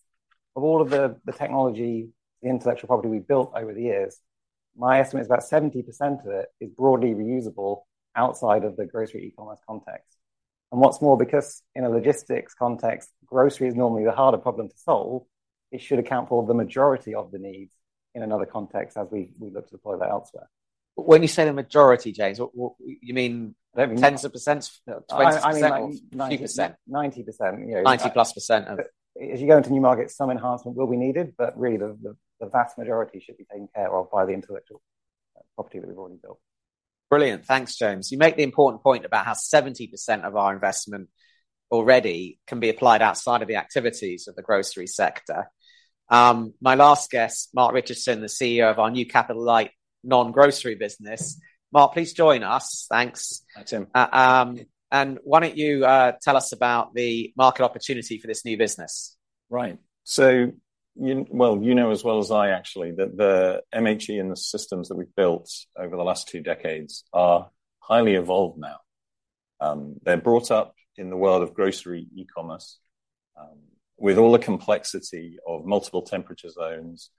of all of the technology, the intellectual property we've built over the years, my estimate is about 70% of it is broadly reusable outside of the grocery E-commerce context. What's more, because in a logistics context, grocery is normally the harder problem to solve, it should account for the majority of the needs in another context as we look to deploy that elsewhere. When you say the majority James what you mean? I don't mean? Tens of Percents? 20% or- I mean, like. A few %. 90%, you know. 90-plus % of As you go into new markets, some enhancement will be needed, but really the vast majority should be taken care of by the intellectual property that we've already built. Brilliant. Thanks, James. You make the important point about how 70% of our investment already can be applied outside of the activities of the grocery sector. My last guest, Mark Richardson, the CEO of our new capital light non-grocery business. Mark, please join us. Thanks. Hi, Tim. Why don't you tell us about the market opportunity for this new business? Right. Well, you know as well as I actually that the MHE and the systems that we've built over the last two decades are highly evolved now. They're brought up in the world of grocery E-commerce, with all the complexity of multiple temperature zones,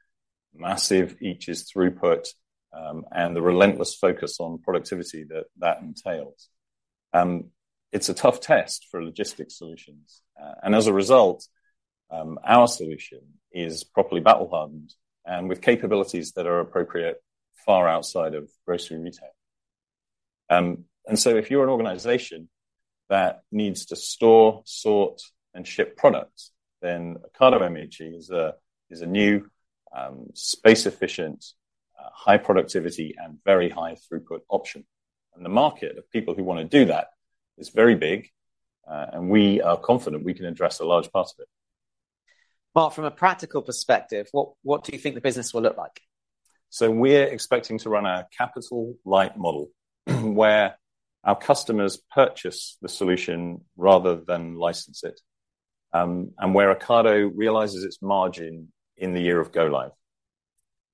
massive each's throughput, and the relentless focus on productivity that that entails. It's a tough test for logistics solutions. As a result, our solution is properly battle-hardened and with capabilities that are appropriate far outside of grocery retail. If you're an organization that needs to store, sort, and ship products, then Ocado MHE is a new, space-efficient, high productivity and very high throughput option. The market of people who wanna do that is very big, and we are confident we can address a large part of it. Mark, from a practical perspective, what do you think the business will look like? We're expecting to run our capital light model, where our customers purchase the solution rather than license it, and where Ocado realizes its margin in the year of go live.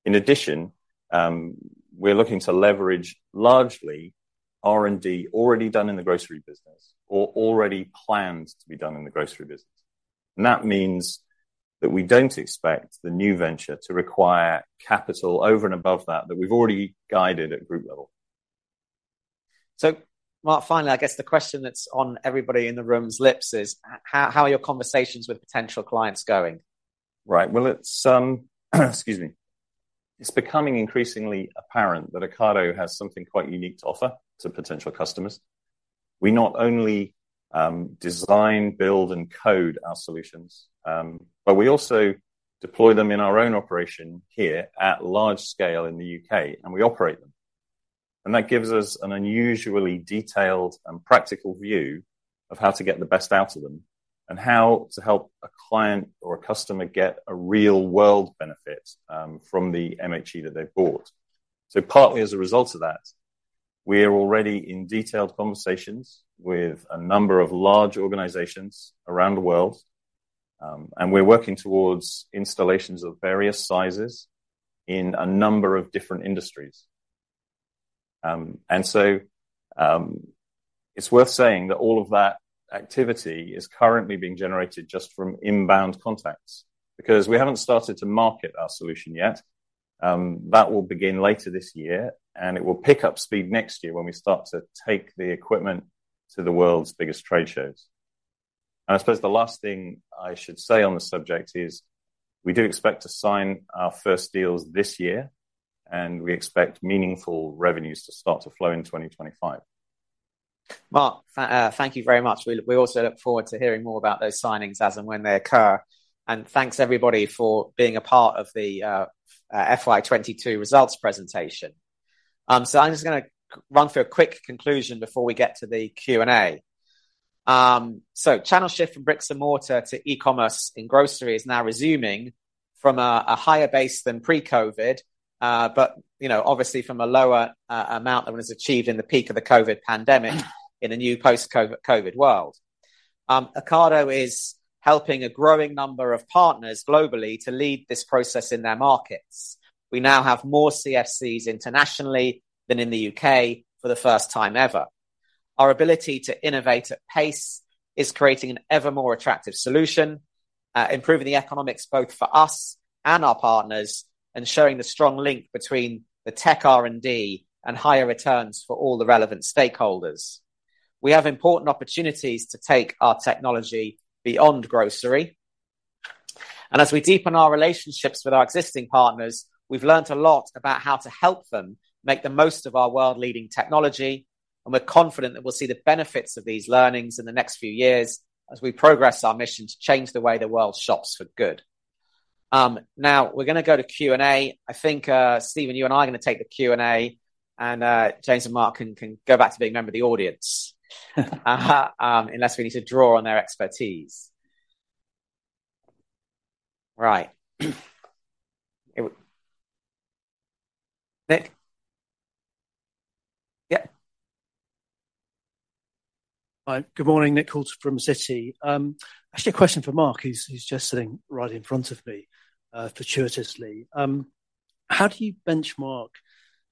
In addition, we're looking to leverage largely R&D already done in the grocery business or already planned to be done in the grocery business. That means that we don't expect the new venture to require capital over and above that we've already guided at group level. Mark, finally, I guess the question that's on everybody in the room's lips is how are your conversations with potential clients going? Right. Well, it's, excuse me. It's becoming increasingly apparent that Ocado has something quite unique to offer to potential customers. We not only design, build, and code our solutions, but we also deploy them in our own operation here at large scale in the U.K. WE operate them. That gives us an unusually detailed and practical view of how to get the best out of them and how to help a client or a customer get a real world benefit from the MHE that they've bought. Partly as a result of that, we're already in detailed conversations with a number of large organizations around the world, and we're working towards installations of various sizes in a number of different industries. It's worth saying that all of that activity is currently being generated just from inbound contacts, because we haven't started to market our solution yet. That will begin later this year. It will pick up speed next year when we start to take the equipment to the world's biggest trade shows. I suppose the last thing I should say on the subject is we do expect to sign our first deals this year, and we expect meaningful revenues to start to flow in 2025. Mark, thank you very much. We also look forward to hearing more about those signings as and when they occur. Thanks everybody for being a part of the FY 2022 results presentation. I'm just gonna run through a quick conclusion before we get to the Q&A. Channel shift from bricks and mortar to E-commerce in grocery is now resuming from a higher base than pre-COVID, but, you know, obviously from a lower amount that was achieved in the peak of the COVID pandemic in a new post-COVID world. Ocado is helping a growing number of partners globally to lead this process in their markets. We now have more CFCs internationally than in the UK for the first time ever. Our ability to innovate at pace is creating an ever more attractive solution, improving the economics both for us and our partners, and showing the strong link between the tech R&D and higher returns for all the relevant stakeholders. We have important opportunities to take our technology beyond grocery. As we deepen our relationships with our existing partners, we've learnt a lot about how to help them make the most of our world-leading technology, and we're confident that we'll see the benefits of these learnings in the next few years as we progress our mission to change the way the world shops for good. Now we're gonna go to Q&A. I think, Stephen, you and I are gonna take the Q&A, and James and Mark can go back to being a member of the audience. Unless we need to draw on their expertise. Right. Nick? Yeah. Hi. Good morning, Nick Coulter from Citi. actually a question for Mark, who's just sitting right in front of me, fortuitously. How do you benchmark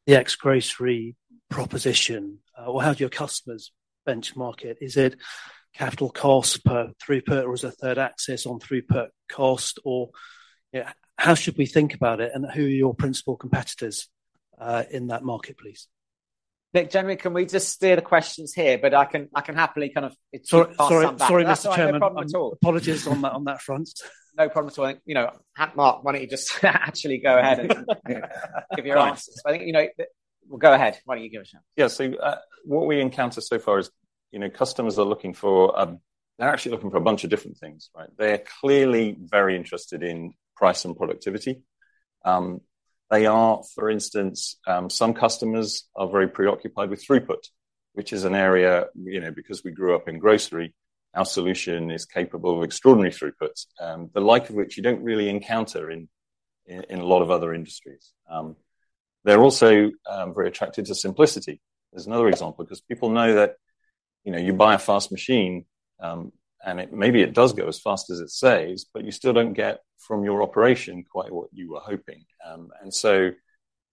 the ex-grocery proposition? How do your customers benchmark it? Is it capital cost per throughput, or is a third access on throughput cost? you know, how should we think about it, and who are your principal competitors in that market, please? Nick, generally, can we just steer the questions here, I can happily kind of pass some back. Sorry, sorry, Mr. Chairman. That's not a problem at all. Apologies on that, on that front. No problem at all. You know, Mark, why don't you just actually go ahead and give your answers. Right. I think, you know... Well, go ahead. Why don't you give it a shot? Yeah. What we encounter so far is, you know, customers are looking for, they're actually looking for a bunch of different things, right? They're clearly very interested in price and productivity. They are, for instance, some customers are very preoccupied with throughput, which is an area, you know, because we grew up in grocery, our solution is capable of extraordinary throughputs, the like of which you don't really encounter in a lot of other industries. They're also, very attracted to simplicity. There's another example, 'cause people know that, you know, you buy a fast machine, and maybe it does go as fast as it says, but you still don't get from your operation quite what you were hoping.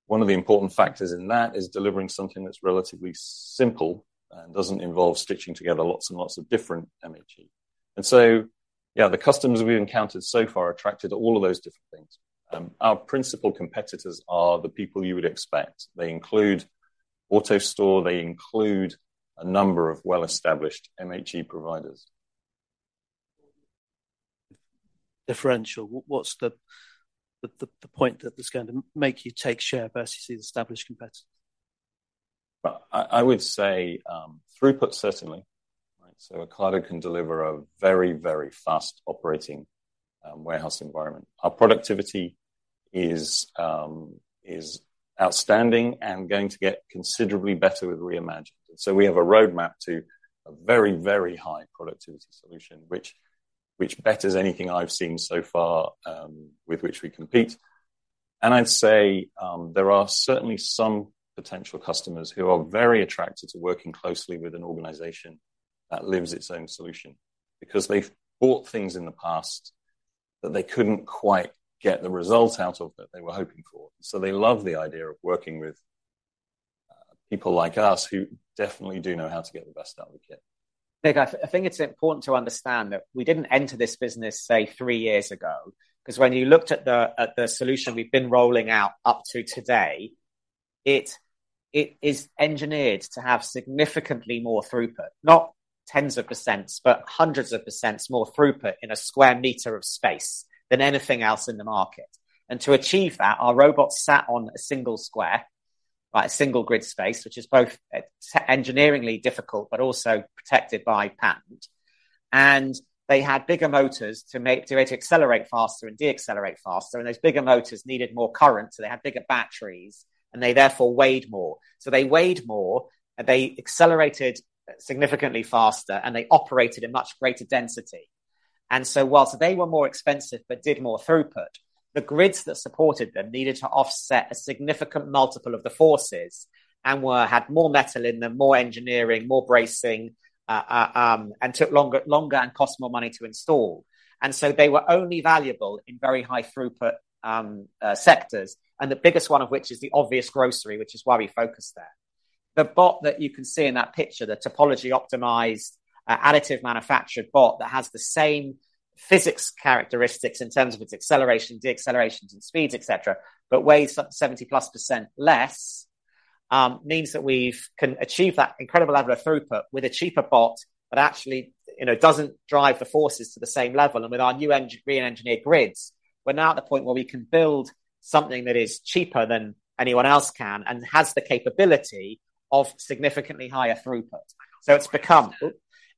One of the important factors in that is delivering something that's relatively simple and doesn't involve stitching together lots and lots of different MHE. Yeah, the customers we've encountered so far are attracted to all of those different things. Our principal competitors are the people you would expect. They include AutoStore, they include a number of well-established MHE providers. Differential. What's the point that is going to make you take share versus the established competitors? Well, I would say, throughput certainly, right? Ocado can deliver a very, very fast operating warehouse environment. Our productivity is outstanding and going to get considerably better with reimagined. We have a roadmap to a very, very high productivity solution, which betters anything I've seen so far, with which we compete. I'd say, there are certainly some potential customers who are very attracted to working closely with an organization that lives its own solution, because they've bought things in the past that they couldn't quite get the results out of that they were hoping for. They love the idea of working with people like us who definitely do know how to get the best out of the kit. Nick, I think it's important to understand that we didn't enter this business, say, three years ago, because when you looked at the solution we've been rolling out up to today, it is engineered to have significantly more throughput, not tens of percents, but hundreds of percents more throughput in a square meter of space than anything else in the market. To achieve that, our robots sat on a single square, right? A single grid space, which is both engineeringly difficult, but also protected by patent. They had bigger motors to make, to be able to accelerate faster and decelerate faster. Those bigger motors needed more current, so they had bigger batteries, and they therefore weighed more. They weighed more, they accelerated significantly faster, and they operated at much greater density. Whilst they were more expensive but did more throughput, the grids that supported them needed to offset a significant multiple of the forces and had more metal in them, more engineering, more bracing and took longer and cost more money to install. They were only valuable in very high throughput sectors, and the biggest one of which is the obvious grocery, which is why we focus there. The bot that you can see in that picture, the topology-optimized, additive manufactured bot that has the same physics characteristics in terms of its acceleration, decelerations and speeds, et cetera, but weighs 70% plus less, means that we can achieve that incredible level of throughput with a cheaper bot that actually, you know, doesn't drive the forces to the same level. With our new re-Engineered grids, we're now at the point where we can build something that is cheaper than anyone else can and has the capability of significantly higher throughput.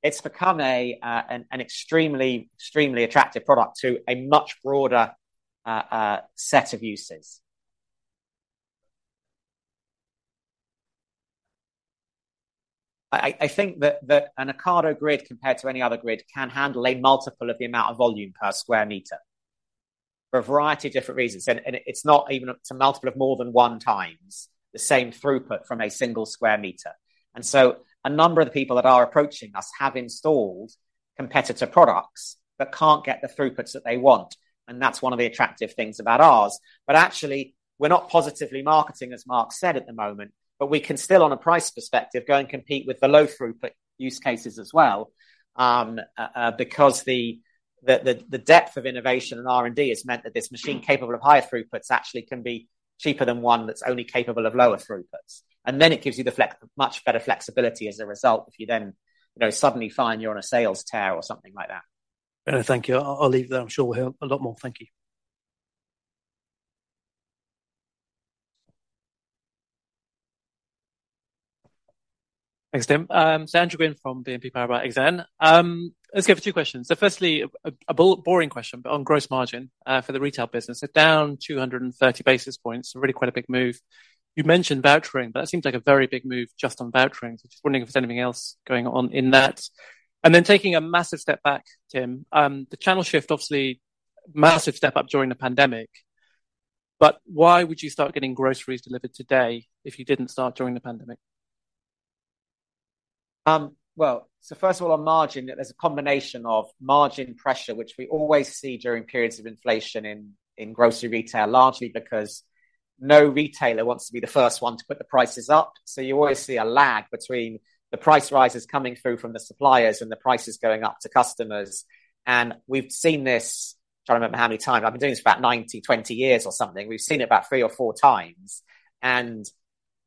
It's become an extremely attractive product to a much broader set of uses. I think that an Ocado grid, compared to any other grid, can handle a multiple of the amount of volume per square meter for a variety of different reasons. It's not even, it's a multiple of more than one times the same throughput from a single square meter. A number of the people that are approaching us have installed competitor products but can't get the throughputs that they want, and that's one of the attractive things about ours. Actually, we're not positively marketing, as Mark said, at the moment. We can still, on a price perspective, go and compete with the low throughput use cases as well, because the depth of innovation in R&D has meant that this machine capable of higher throughputs actually can be cheaper than one that's only capable of lower throughputs. Then it gives you much better flexibility as a result if you then, you know, suddenly find you're on a sales tear or something like that. Thank you. I'll leave it there. I'm sure we'll hear a lot more. Thank you. Thanks, Tim. Andrew Gwynn from BNP Paribas Exane. Let's go for two questions. Firstly, a boring question, but on gross margin for the retail business. They're down 230 basis points, really quite a big move. You mentioned vouchering, but that seems like a very big move just on vouchering. Taking a massive step back, Tim, the channel shift, obviously massive step up during the pandemic, but why would you start getting groceries delivered today if you didn't start during the pandemic? First of all, on margin, there's a combination of margin pressure, which we always see during periods of inflation in grocery retail, largely because no retailer wants to be the first one to put the prices up. You always see a lag between the price rises coming through from the suppliers and the prices going up to customers. We've seen this, trying to remember how many times. I've been doing this for about 19-20 years or something. We've seen it about three or four times.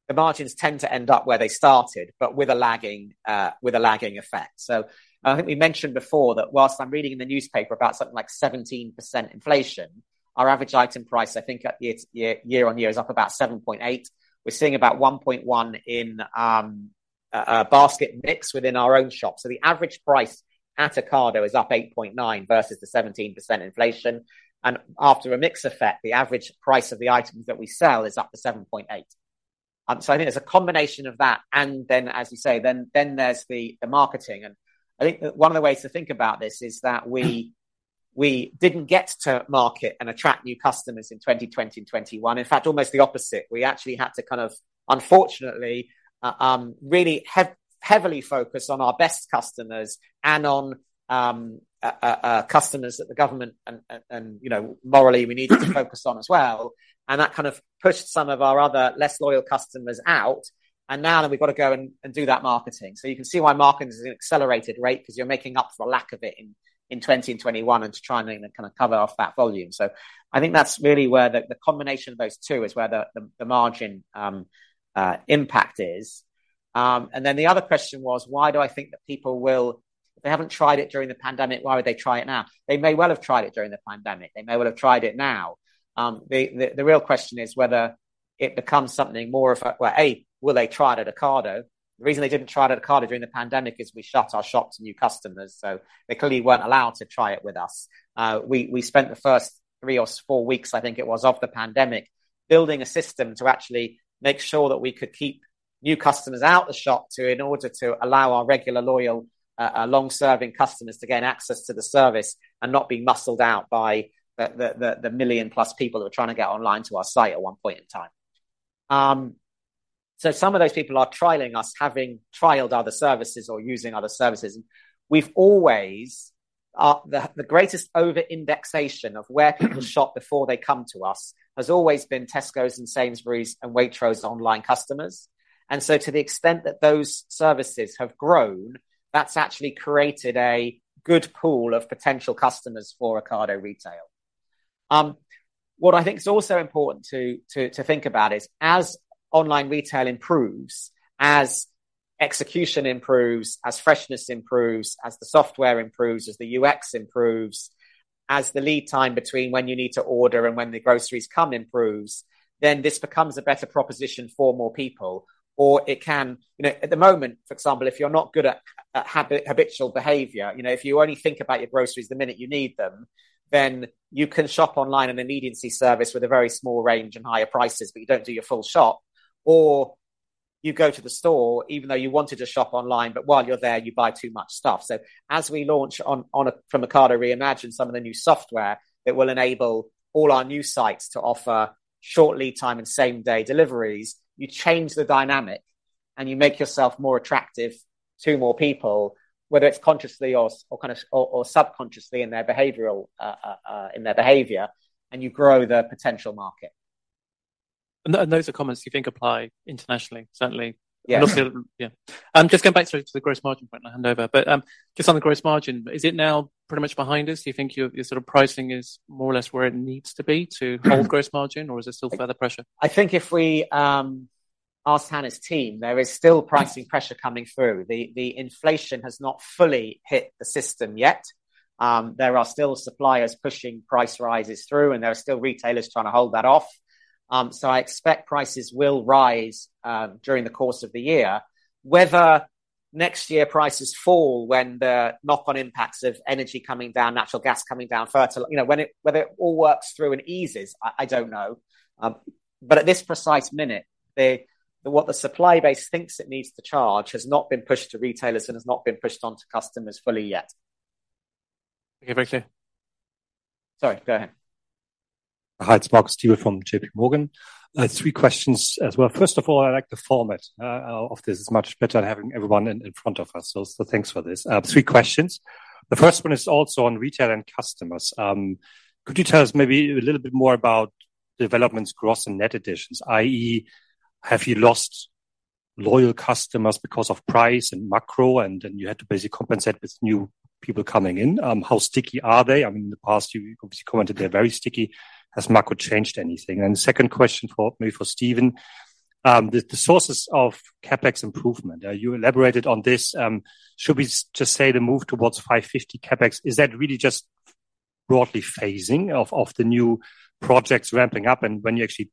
The margins tend to end up where they started, but with a lagging, with a lagging effect. I think we mentioned before that whilst I'm reading in the newspaper about something like 17% inflation, our average item price, I think at year, year-on-year is up about 7.8%. We're seeing about 1.1 in a basket mix within our own shop. The average price at Ocado is up 8.9% versus the 17% inflation. After a mix effect, the average price of the items that we sell is up to 7.8%. I think there's a combination of that, and as you say, there's the marketing. I think one of the ways to think about this is that we didn't get to market and attract new customers in 2020 and 2021. In fact, almost the opposite. We actually had to kind of, unfortunately, really heavily focus on our best customers and on customers that the government and, you know, morally we needed to focus on as well. That kind of pushed some of our other less loyal customers out. Now that we've got to go and do that marketing. You can see why marketing is an accelerated rate, because you're making up for the lack of it in 20 and 21 and to try and kind of cover off that volume. I think that's really where the combination of those two is where the margin impact is. The other question was, why do I think that people if they haven't tried it during the pandemic, why would they try it now? They may well have tried it during the pandemic. They may well have tried it now. The real question is whether it becomes something more of a, A, will they try it at Ocado? The reason they didn't try it at Ocado during the pandemic is we shut our shop to new customers. They clearly weren't allowed to try it with us. We spent the first three or four weeks, I think it was, of the pandemic building a system to actually make sure that we could keep new customers out the shop to, in order to allow our regular loyal, long-serving customers to gain access to the service and not be muscled out by the million plus people that were trying to get online to our site at one point in time. Some of those people are trialing us, having trialed other services or using other services. We've always, the greatest over-indexation of where people shop before they come to us has always been Tesco and Sainsbury's and Waitrose online customers. To the extent that those services have grown, that's actually created a good pool of potential customers for Ocado Retail. What I think is also important to, to think about is as online retail improves, as execution improves, as freshness improves, as the software improves, as the UX improves, as the lead time between when you need to order and when the groceries come improves, then this becomes a better proposition for more people. Or it can, you know, at the moment, for example, if you're not good at habitual behavior, you know, if you only think about your groceries the minute you need them, then you can shop online in an immediacy service with a very small range and higher prices, but you don't do your full shop. You go to the store even though you wanted to shop online, but while you're there, you buy too much stuff. As we launch on from Ocado Reimagined some of the new software that will enable all our new sites to offer short lead time and same day deliveries, you change the dynamic, and you make yourself more attractive to more people, whether it's consciously or kind of, or subconsciously in their behavioral in their behavior, and you grow the potential market. Those are comments you think apply internationally, certainly? Yes. Yeah. just going back to the gross margin point and I'll hand over. just on the gross margin, is it now pretty much behind us? Do you think your sort of pricing is more or less where it needs to be to hold gross margin? is there still further pressure? I think if we ask Hannah's team, there is still pricing pressure coming through. The inflation has not fully hit the system yet. There are still suppliers pushing price rises through, and there are still retailers trying to hold that off. I expect prices will rise during the course of the year. Whether next year prices fall when the knock-on impacts of energy coming down, natural gas coming down, you know, whether it all works through and eases, I don't know. At this precise minute, what the supply base thinks it needs to charge has not been pushed to retailers and has not been pushed onto customers fully yet. Thank you. Very clear. Sorry, go ahead. Hi, it's Mark Stewart from JPMorgan. I had 3 questions as well. First of all, I like the format of this. It's much better having everyone in front of us. So thanks for this. I have 3 questions. The first one is also on retail and customers. Could you tell us maybe a little bit more about developments, gross and net additions? i.e., have you lost loyal customers because of price and macro, and then you had to basically compensate with new people coming in. How sticky are they? I mean, in the past, you obviously commented they're very sticky. Has macro changed anything? Second question for, maybe for Stephen, the sources of CapEx improvement. You elaborated on this. Should we just say the move towards 550 CapEx, is that really just broadly phasing of the new projects ramping up and when you actually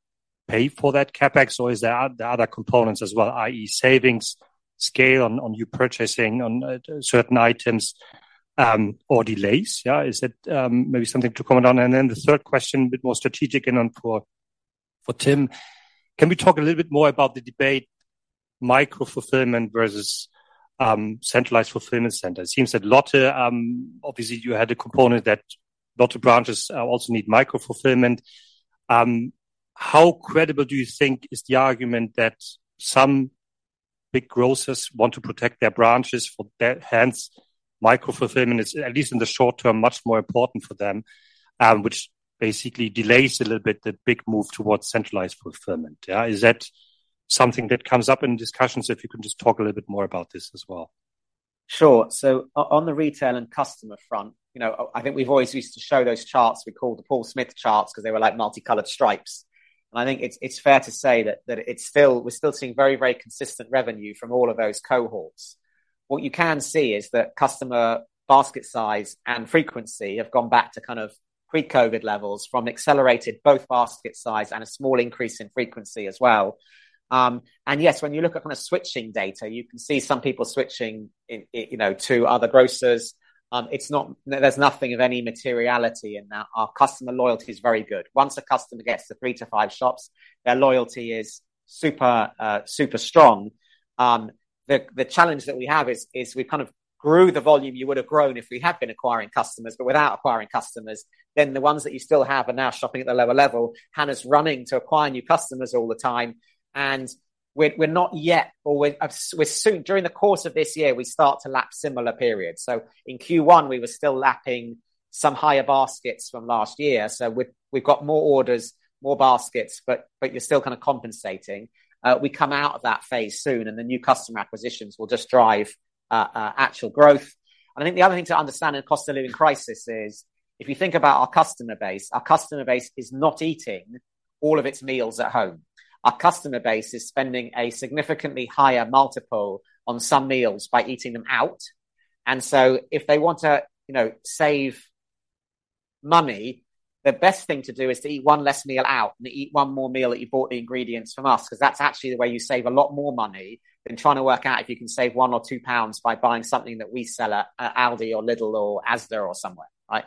pay for that CapEx? Or is there other components as well, i.e., savings, scale on you purchasing on certain items, or delays? Yeah, is that maybe something to comment on? Then the third question, a bit more strategic and on for Tim. Can we talk a little bit more about the debate micro fulfillment versus centralized fulfillment centers? It seems that Lotte obviously you had a component that Lotte branches also need micro fulfillment. How credible do you think is the argument that some big grocers want to protect their branches for that, hence micro fulfillment is, at least in the short term, much more important for them, which basically delays a little bit the big move towards centralized fulfillment. Yeah. Is that something that comes up in discussions, if you can just talk a little bit more about this as well? Sure. On the retail and customer front, you know, I think we've always used to show those charts we called the Paul Smith charts because they were like multicolored stripes. I think it's fair to say that we're still seeing very, very consistent revenue from all of those cohorts. What you can see is that customer basket size and frequency have gone back to kind of pre-COVID levels from accelerated both basket size and a small increase in frequency as well. Yes, when you look at kind of switching data, you can see some people switching in, you know, to other grocers. There's nothing of any materiality in that. Our customer loyalty is very good. Once a customer gets to 3 to 5 shops, their loyalty is super strong. The challenge that we have is we kind of grew the volume you would have grown if we had been acquiring customers. Without acquiring customers, then the ones that you still have are now shopping at the lower level. Hannah's running to acquire new customers all the time. We're not yet, or we're soon, during the course of this year, we start to lap similar periods. In Q1, we were still lapping some higher baskets from last year. We've got more orders, more baskets. You're still kind of compensating. We come out of that phase soon. The new customer acquisitions will just drive actual growth. I think the other thing to understand in a cost of living crisis is if you think about our customer base, our customer base is not eating all of its meals at home. Our customer base is spending a significantly higher multiple on some meals by eating them out. If they want to, you know, save money, the best thing to do is to eat one less meal out and eat one more meal that you bought the ingredients from us, 'cause that's actually the way you save a lot more money than trying to work out if you can save one or two pound by buying something that we sell at Aldi or Lidl or Asda or somewhere, right?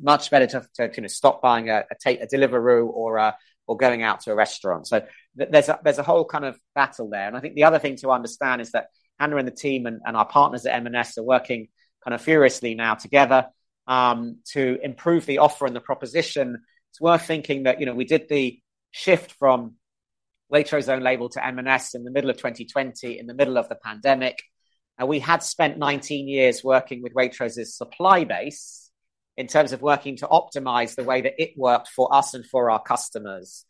Much better to, you know, stop buying a Deliveroo or going out to a restaurant. There's a whole kind of battle there. I think the other thing to understand is that Hannah and the team and our partners at M&S are working kind of furiously now together to improve the offer and the proposition. It's worth thinking that, you know, we did the shift from Waitrose own label to M&S in the middle of 2020 in the middle of the pandemic. We had spent 19 years working with Waitrose's supply base in terms of working to optimize the way that it worked for us and for our customers,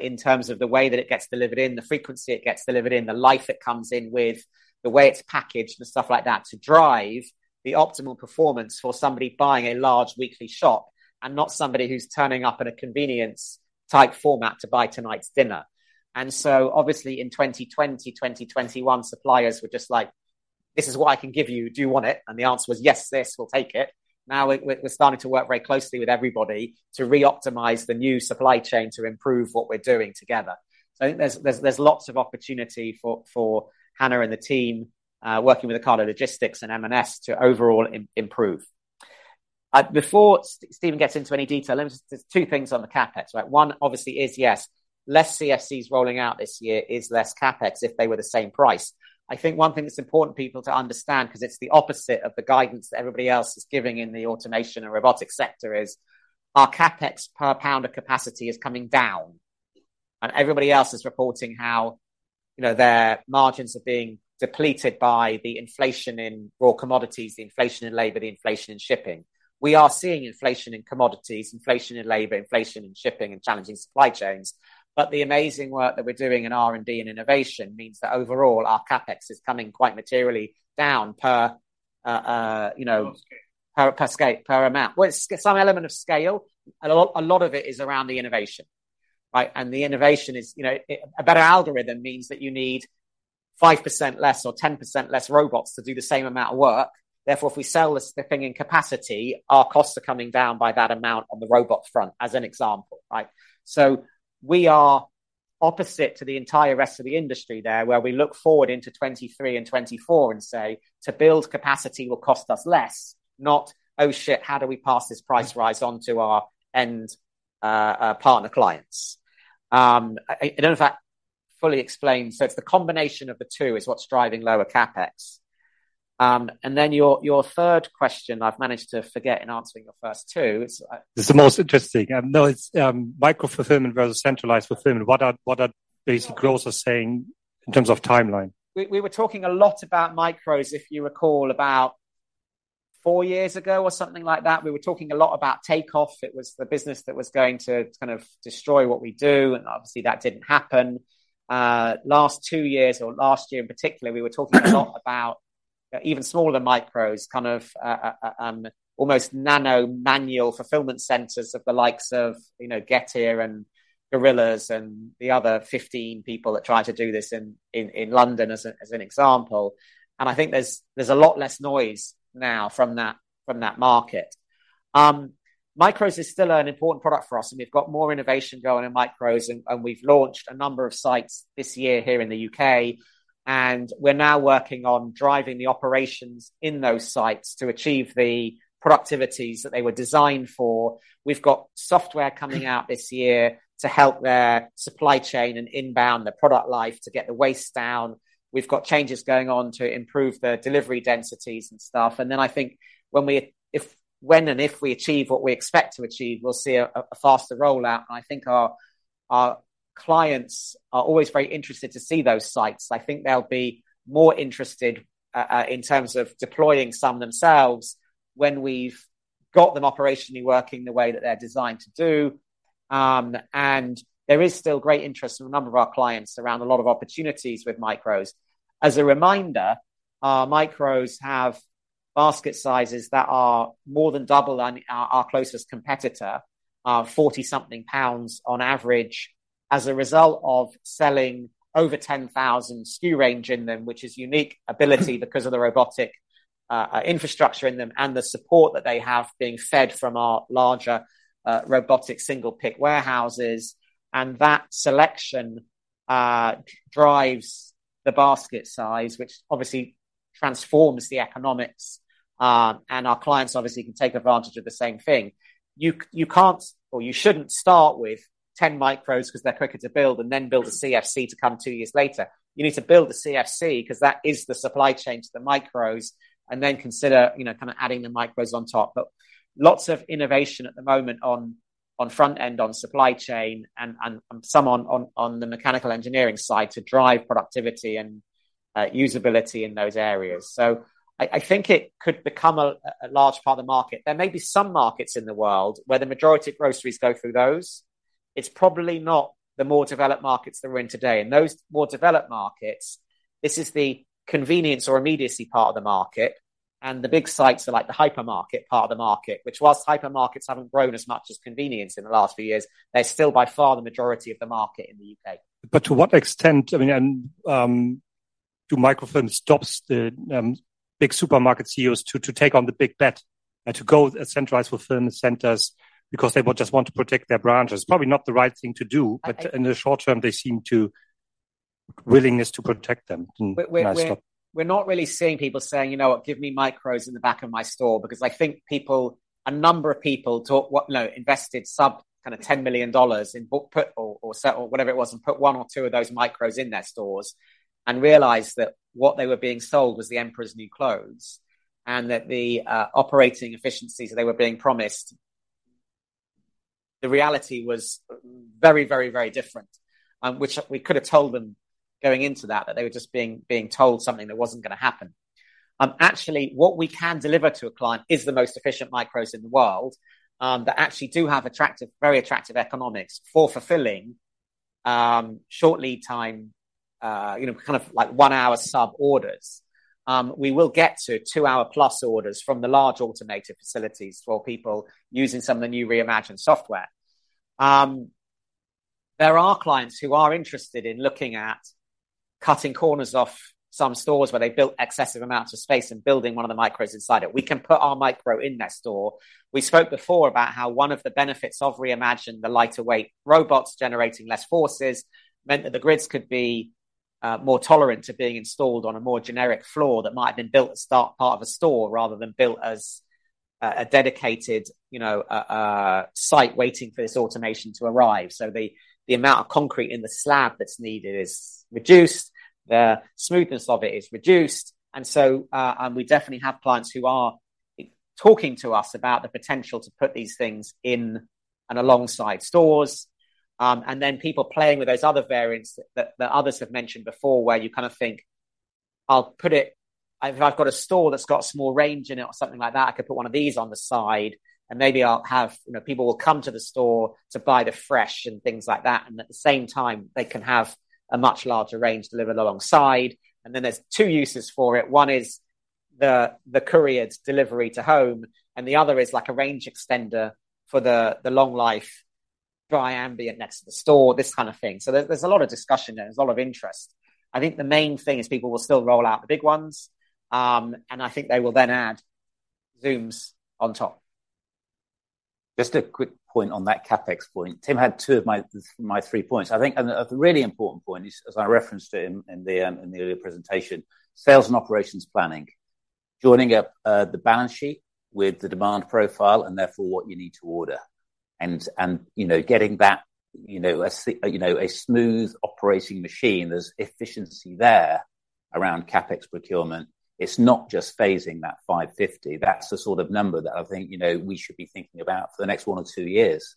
in terms of the way that it gets delivered in, the frequency it gets delivered in, the life it comes in with, the way it's packaged and stuff like that to drive the optimal performance for somebody buying a large weekly shop and not somebody who's turning up at a convenience type format to buy tonight's dinner. Obviously in 2020, 2021, suppliers were just like, "This is what I can give you. Do you want it?" The answer was, "Yes, this, we'll take it." We're starting to work very closely with everybody to re-optimize the new supply chain to improve what we're doing together. I think there's lots of opportunity for Hannah and the team, working with Ocado Logistics and M&S to overall improve. Before Stephen gets into any detail, let me just there's two things on the CapEx, right? One obviously is, yes, less CFCs rolling out this year is less CapEx if they were the same price. I think one thing that's important people to understand, 'cause it's the opposite of the guidance that everybody else is giving in the automation and robotics sector, is our CapEx per pound of capacity is coming down. Everybody else is reporting how, you know, their margins are being depleted by the inflation in raw commodities, the inflation in labor, the inflation in shipping. We are seeing inflation in commodities, inflation in labor, inflation in shipping and challenging supply chains. The amazing work that we're doing in R&D and innovation means that overall our CapEx is coming quite materially down per, you know. Per scale. Per scale, per amount. Well, it's some element of scale. A lot of it is around the innovation, right? The innovation is, you know, a better algorithm means that you need 5% less or 10% less robots to do the same amount of work. Therefore, if we sell this thing in capacity, our costs are coming down by that amount on the robot front as an example, right? We are opposite to the entire rest of the industry there, where we look forward into 2023 and 2024 and say, "To build capacity will cost us less," not, "Oh, how do we pass this price rise on to our end partner clients?" I don't know if that fully explains. It's the combination of the two is what's driving lower CapEx. Your third question I've managed to forget in answering your first two. It's the most interesting. No, it's micro fulfillment versus centralized fulfillment. What are basic grocers saying in terms of timeline? We were talking a lot about MICROS, if you recall, about four years ago or something like that, we were talking a lot about Takeoff. It was the business that was going to kind of destroy what we do, and obviously, that didn't happen. Last two years or last year in particular, we were talking a lot about even smaller MICROS, kind of, almost nano manual fulfillment centers of the likes of, you know, Getir and Gorillas and the other 15 people that try to do this in London as an example. I think there's a lot less noise now from that market. MICROS is still an important product for us, and we've got more innovation going in MICROS and we've launched a number of sites this year here in the U.K., and we're now working on driving the operations in those sites to achieve the productivities that they were designed for. We've got software coming out this year to help their supply chain and inbound, their product life to get the waste down. We've got changes going on to improve the delivery densities and stuff. I think when and if we achieve what we expect to achieve, we'll see a faster rollout. I think our clients are always very interested to see those sites. I think they'll be more interested in terms of deploying some themselves when we've got them operationally working the way that they're designed to do. There is still great interest from a number of our clients around a lot of opportunities with MICROS. As a reminder, our MICROS have basket sizes that are more than double on our closest competitor, 40 something GBP on average as a result of selling over 10,000 SKU range in them, which is unique ability because of the robotic infrastructure in them and the support that they have being fed from our larger, robotic single-pick warehouses. That selection drives the basket size, which obviously transforms the economics, and our clients obviously can take advantage of the same thing. You can't or you shouldn't start with 10 MICROS because they're quicker to build and then build a CFC to come 2 years later. You need to build the CFC because that is the supply chain to the MICROS, and then consider, you know, kind of adding the MICROS on top. Lots of innovation at the moment on front end, on supply chain and some on, on the mechanical engineering side to drive productivity and usability in those areas. I think it could become a large part of the market. There may be some markets in the world where the majority of groceries go through those. It's probably not the more developed markets that we're in today. In those more developed markets, this is the convenience or immediacy part of the market, the big sites are like the hypermarket part of the market, which whilst hypermarkets haven't grown as much as convenience in the last few years, they're still by far the majority of the market in the U.K. To what extent, I mean, and, do microfill stops the big supermarket CEOs to take on the big bet and to go centralize fulfillment centers because they will just want to protect their branches? Probably not the right thing to do. I think- In the short term, they seem to willingness to protect them. I stop. We're not really seeing people saying, "You know what, give me MICROS in the back of my store." Because a number of people, well, no, invested sub kind of $10 million in book put or sell or whatever it was, and put one or two of those MICROS in their stores and realized that what they were being sold was the emperor's new clothes, and that the operating efficiencies they were being promised, the reality was very, very, very different. Which we could have told them going into that they were just being told something that wasn't going to happen. Actually, what we can deliver to a client is the most efficient MICROS in the world that actually do have attractive, very attractive economics for fulfilling short lead time one hour sub orders. We will get to two hour plus orders from the large automated facilities for people using some of the new reimagined software. There are clients who are interested in looking at cutting corners off some stores where they built excessive amounts of space and building one of the MICROS inside it. We can put our micro in their store. We spoke before about how one of the benefits of Reimagined, the lighter weight robots generating less forces meant that the grids could be more tolerant to being installed on a more generic floor that might have been built as part of a store rather than built as a dedicated, you know, site waiting for this automation to arrive. The amount of concrete in the slab that's needed is reduced, the smoothness of it is reduced, and so we definitely have clients who are talking to us about the potential to put these things in and alongside stores, and then people playing with those other variants that others have mentioned before, where you kind of think, If I've got a store that's got small range in it or something like that, I could put one of these on the side, and maybe I'll have, you know, people will come to the store to buy the fresh and things like that, and at the same time, they can have a much larger range delivered alongside. Then there's two uses for it. One is the courier delivery to home, and the other is like a range extender for the long life dry ambient next to the store, this kind of thing. There's a lot of discussion there. There's a lot of interest. I think the main thing is people will still roll out the big ones, and I think they will then add Zoom on top. Just a quick point on that CapEx point. Tim had two of my three points. I think a really important point is, as I referenced it in the earlier presentation, sales and operations planning, joining up the balance sheet with the demand profile and therefore what you need to order. You know, getting that, you know, a smooth operating machine, there's efficiency there around CapEx procurement. It's not just phasing that 550. That's the sort of number that I think, you know, we should be thinking about for the next one or two years.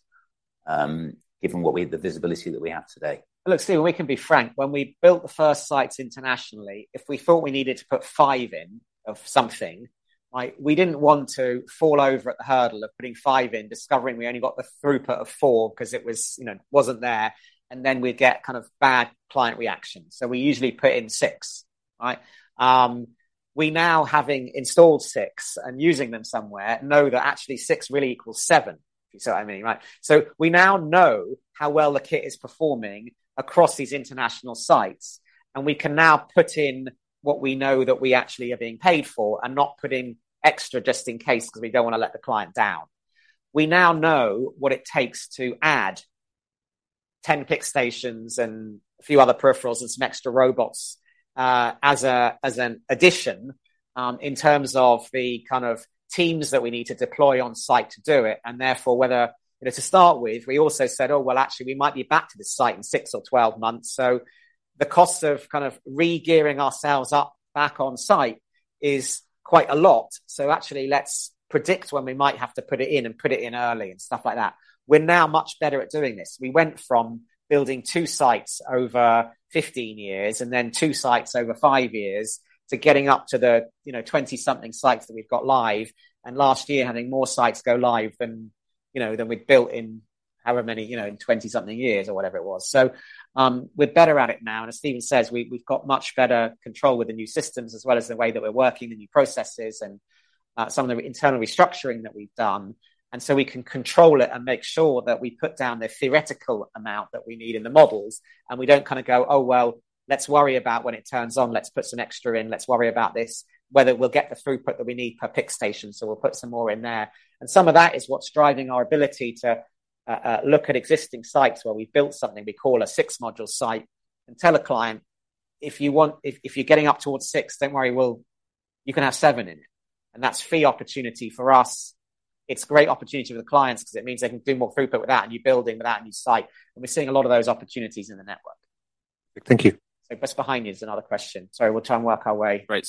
given what the visibility that we have today Look, Steve, we can be frank. When we built the first sites internationally, if we thought we needed to put five in of something, right? We didn't want to fall over the hurdle of putting five in, discovering we only got the throughput of four 'cause it was, you know, wasn't there, and then we'd get kind of bad client reactions. We usually put in 6, right? We now having installed 6 and using them somewhere, know that actually six really equals seven. If you see what I mean, right. We now know how well the kit is performing across these international sites, and we can now put in what we know that we actually are being paid for and not put in extra just in case, 'cause we don't wanna let the client down. We now know what it takes to add 10 pick stations and a few other peripherals and some extra robots as an addition, in terms of the kind of teams that we need to deploy on site to do it, and therefore, whether. You know, to start with, we also said, 'Oh, well, actually, we might be back to this site in 6 or 12 months.' The cost of kind of re-gearing ourselves up back on site is quite a lot. Actually, let's predict when we might have to put it in and put it in early, and stuff like that. We're now much better at doing this. We went from building two sites over 15 years and then two sites over five years to getting up to the, you know, 20 something sites that we've got live, and last year, having more sites go live than, you know, than we'd built in however many, you know, in 20 something years or whatever it was. We're better at it now, and as Stephen says, we've got much better control with the new systems as well as the way that we're working, the new processes and some of the internal restructuring that we've done, and so we can control it and make sure that we put down the theoretical amount that we need in the models, and we don't kinda go, "Oh, well, let's worry about when it turns on. Let's put some extra in. Let's worry about this, whether we'll get the throughput that we need per pick station, so we'll put some more in there. Some of that is what's driving our ability to look at existing sites where we've built something we call a six module site and tell a client, "If you're getting up towards six, don't worry, you can have seven in it." That's free opportunity for us. It's great opportunity for the clients because it means they can do more throughput with that, new building with that new site. We're seeing a lot of those opportunities in the network. Thank you. Just behind you is another question. Sorry, we'll try and work our way. Right.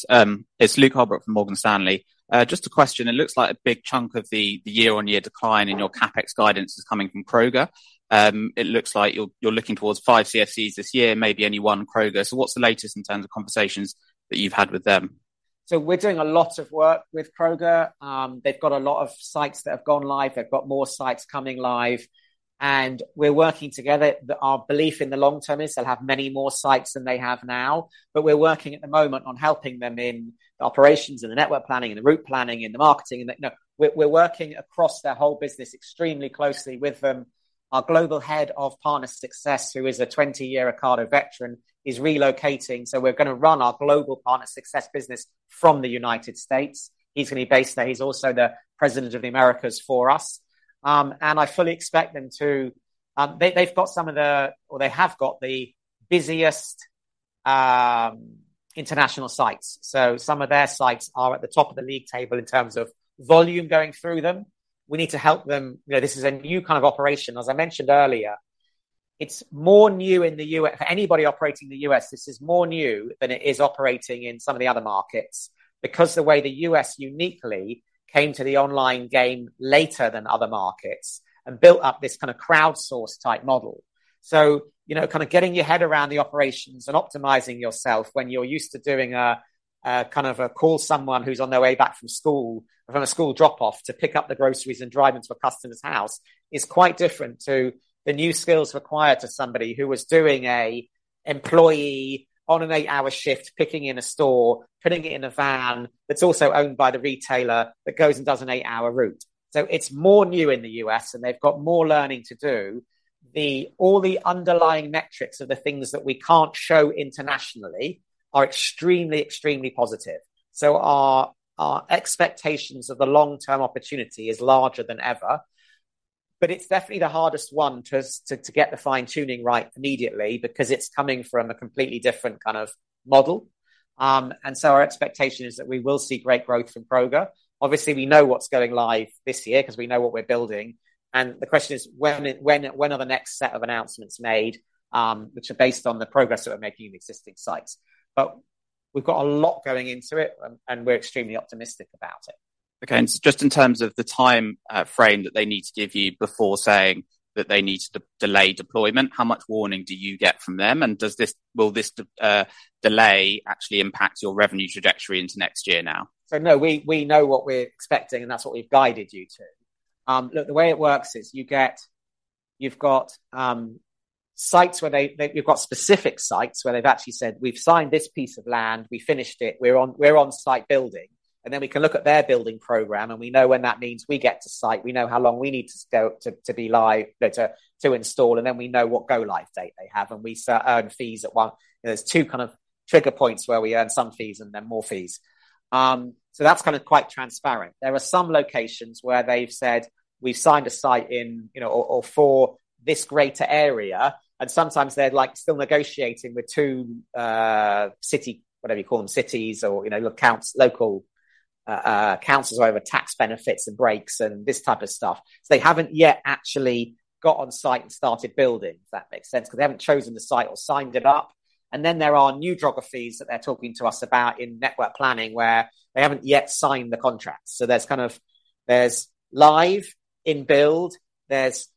It's Luke Holbrook from Morgan Stanley. Just a question. It looks like a big chunk of the year-on-year decline in your CapEx guidance is coming from Kroger. It looks like you're looking towards five CFCs this year, maybe only one Kroger. What's the latest in terms of conversations that you've had with them? We're doing a lot of work with Kroger. They've got a lot of sites that have gone live. They've got more sites coming live, and we're working together. Our belief in the long term is they'll have many more sites than they have now. We're working at the moment on helping them in the operations and the network planning and the route planning and the marketing. You know, we're working across their whole business extremely closely with them. Our global head of partner success, who is a 20-year Ocado veteran, is relocating, so we're gonna run our global partner success business from the United States. He's gonna be based there. He's also the President of the Americas for us. I fully expect them to. They have got the busiest international sites, so some of their sites are at the top of the league table in terms of volume going through them. We need to help them. You know, this is a new kind of operation. As I mentioned earlier, it's more new for anybody operating in the U.S., this is more new than it is operating in some of the other markets because the way the U.S. uniquely came to the online game later than other markets and built up this kind of crowdsourced type model. you know, kind of getting your head around the operations and optimizing yourself when you're used to doing a kind of call someone who's on their way back from school, from a school drop-off to pick up the groceries and drive them to a customer's house is quite different to the new skills required to somebody who was doing a employee on an Eight hour shift, picking in a store, putting it in a van that's also owned by the retailer that goes and does an Eight hour route. It's more new in the U.S., and they've got more learning to do. All the underlying metrics of the things that we can't show internationally are extremely positive. Our expectations of the long-term opportunity is larger than ever. It's definitely the hardest one to get the fine-tuning right immediately because it's coming from a completely different kind of model. Our expectation is that we will see great growth from Kroger. Obviously, we know what's going live this year 'cause we know what we're building, and the question is when are the next set of announcements made, which are based on the progress that we're making in existing sites. We've got a lot going into it and we're extremely optimistic about it. Okay. Just in terms of the time frame that they need to give you before saying that they need to de-delay deployment, how much warning do you get from them, and will this delay actually impact your revenue trajectory into next year now? No, we know what we're expecting, and that's what we've guided you to. Look, the way it works is you've got sites where you've got specific sites where they've actually said, "We've signed this piece of land. We finished it. We're on site building." Then we can look at their building program, and we know when that means we get to site. We know how long we need to go to be live, to install, and then we know what go-live date they have, and we start earn fees. You know, there's two kind of trigger points where we earn some fees and then more fees. That's kind of quite transparent. There are some locations where they've said, "We've signed a site in, you know, or for this greater area," and sometimes they're, like, still negotiating with 2 city, whatever you call them, cities or, you know, your local councils over tax benefits and breaks and this type of stuff. They haven't yet actually got on-site and started building, if that makes sense, 'cause they haven't chosen the site or signed it up. Then there are new geographies that they're talking to us about in network planning where they haven't yet signed the contract. There's kind of, there's live in build, there's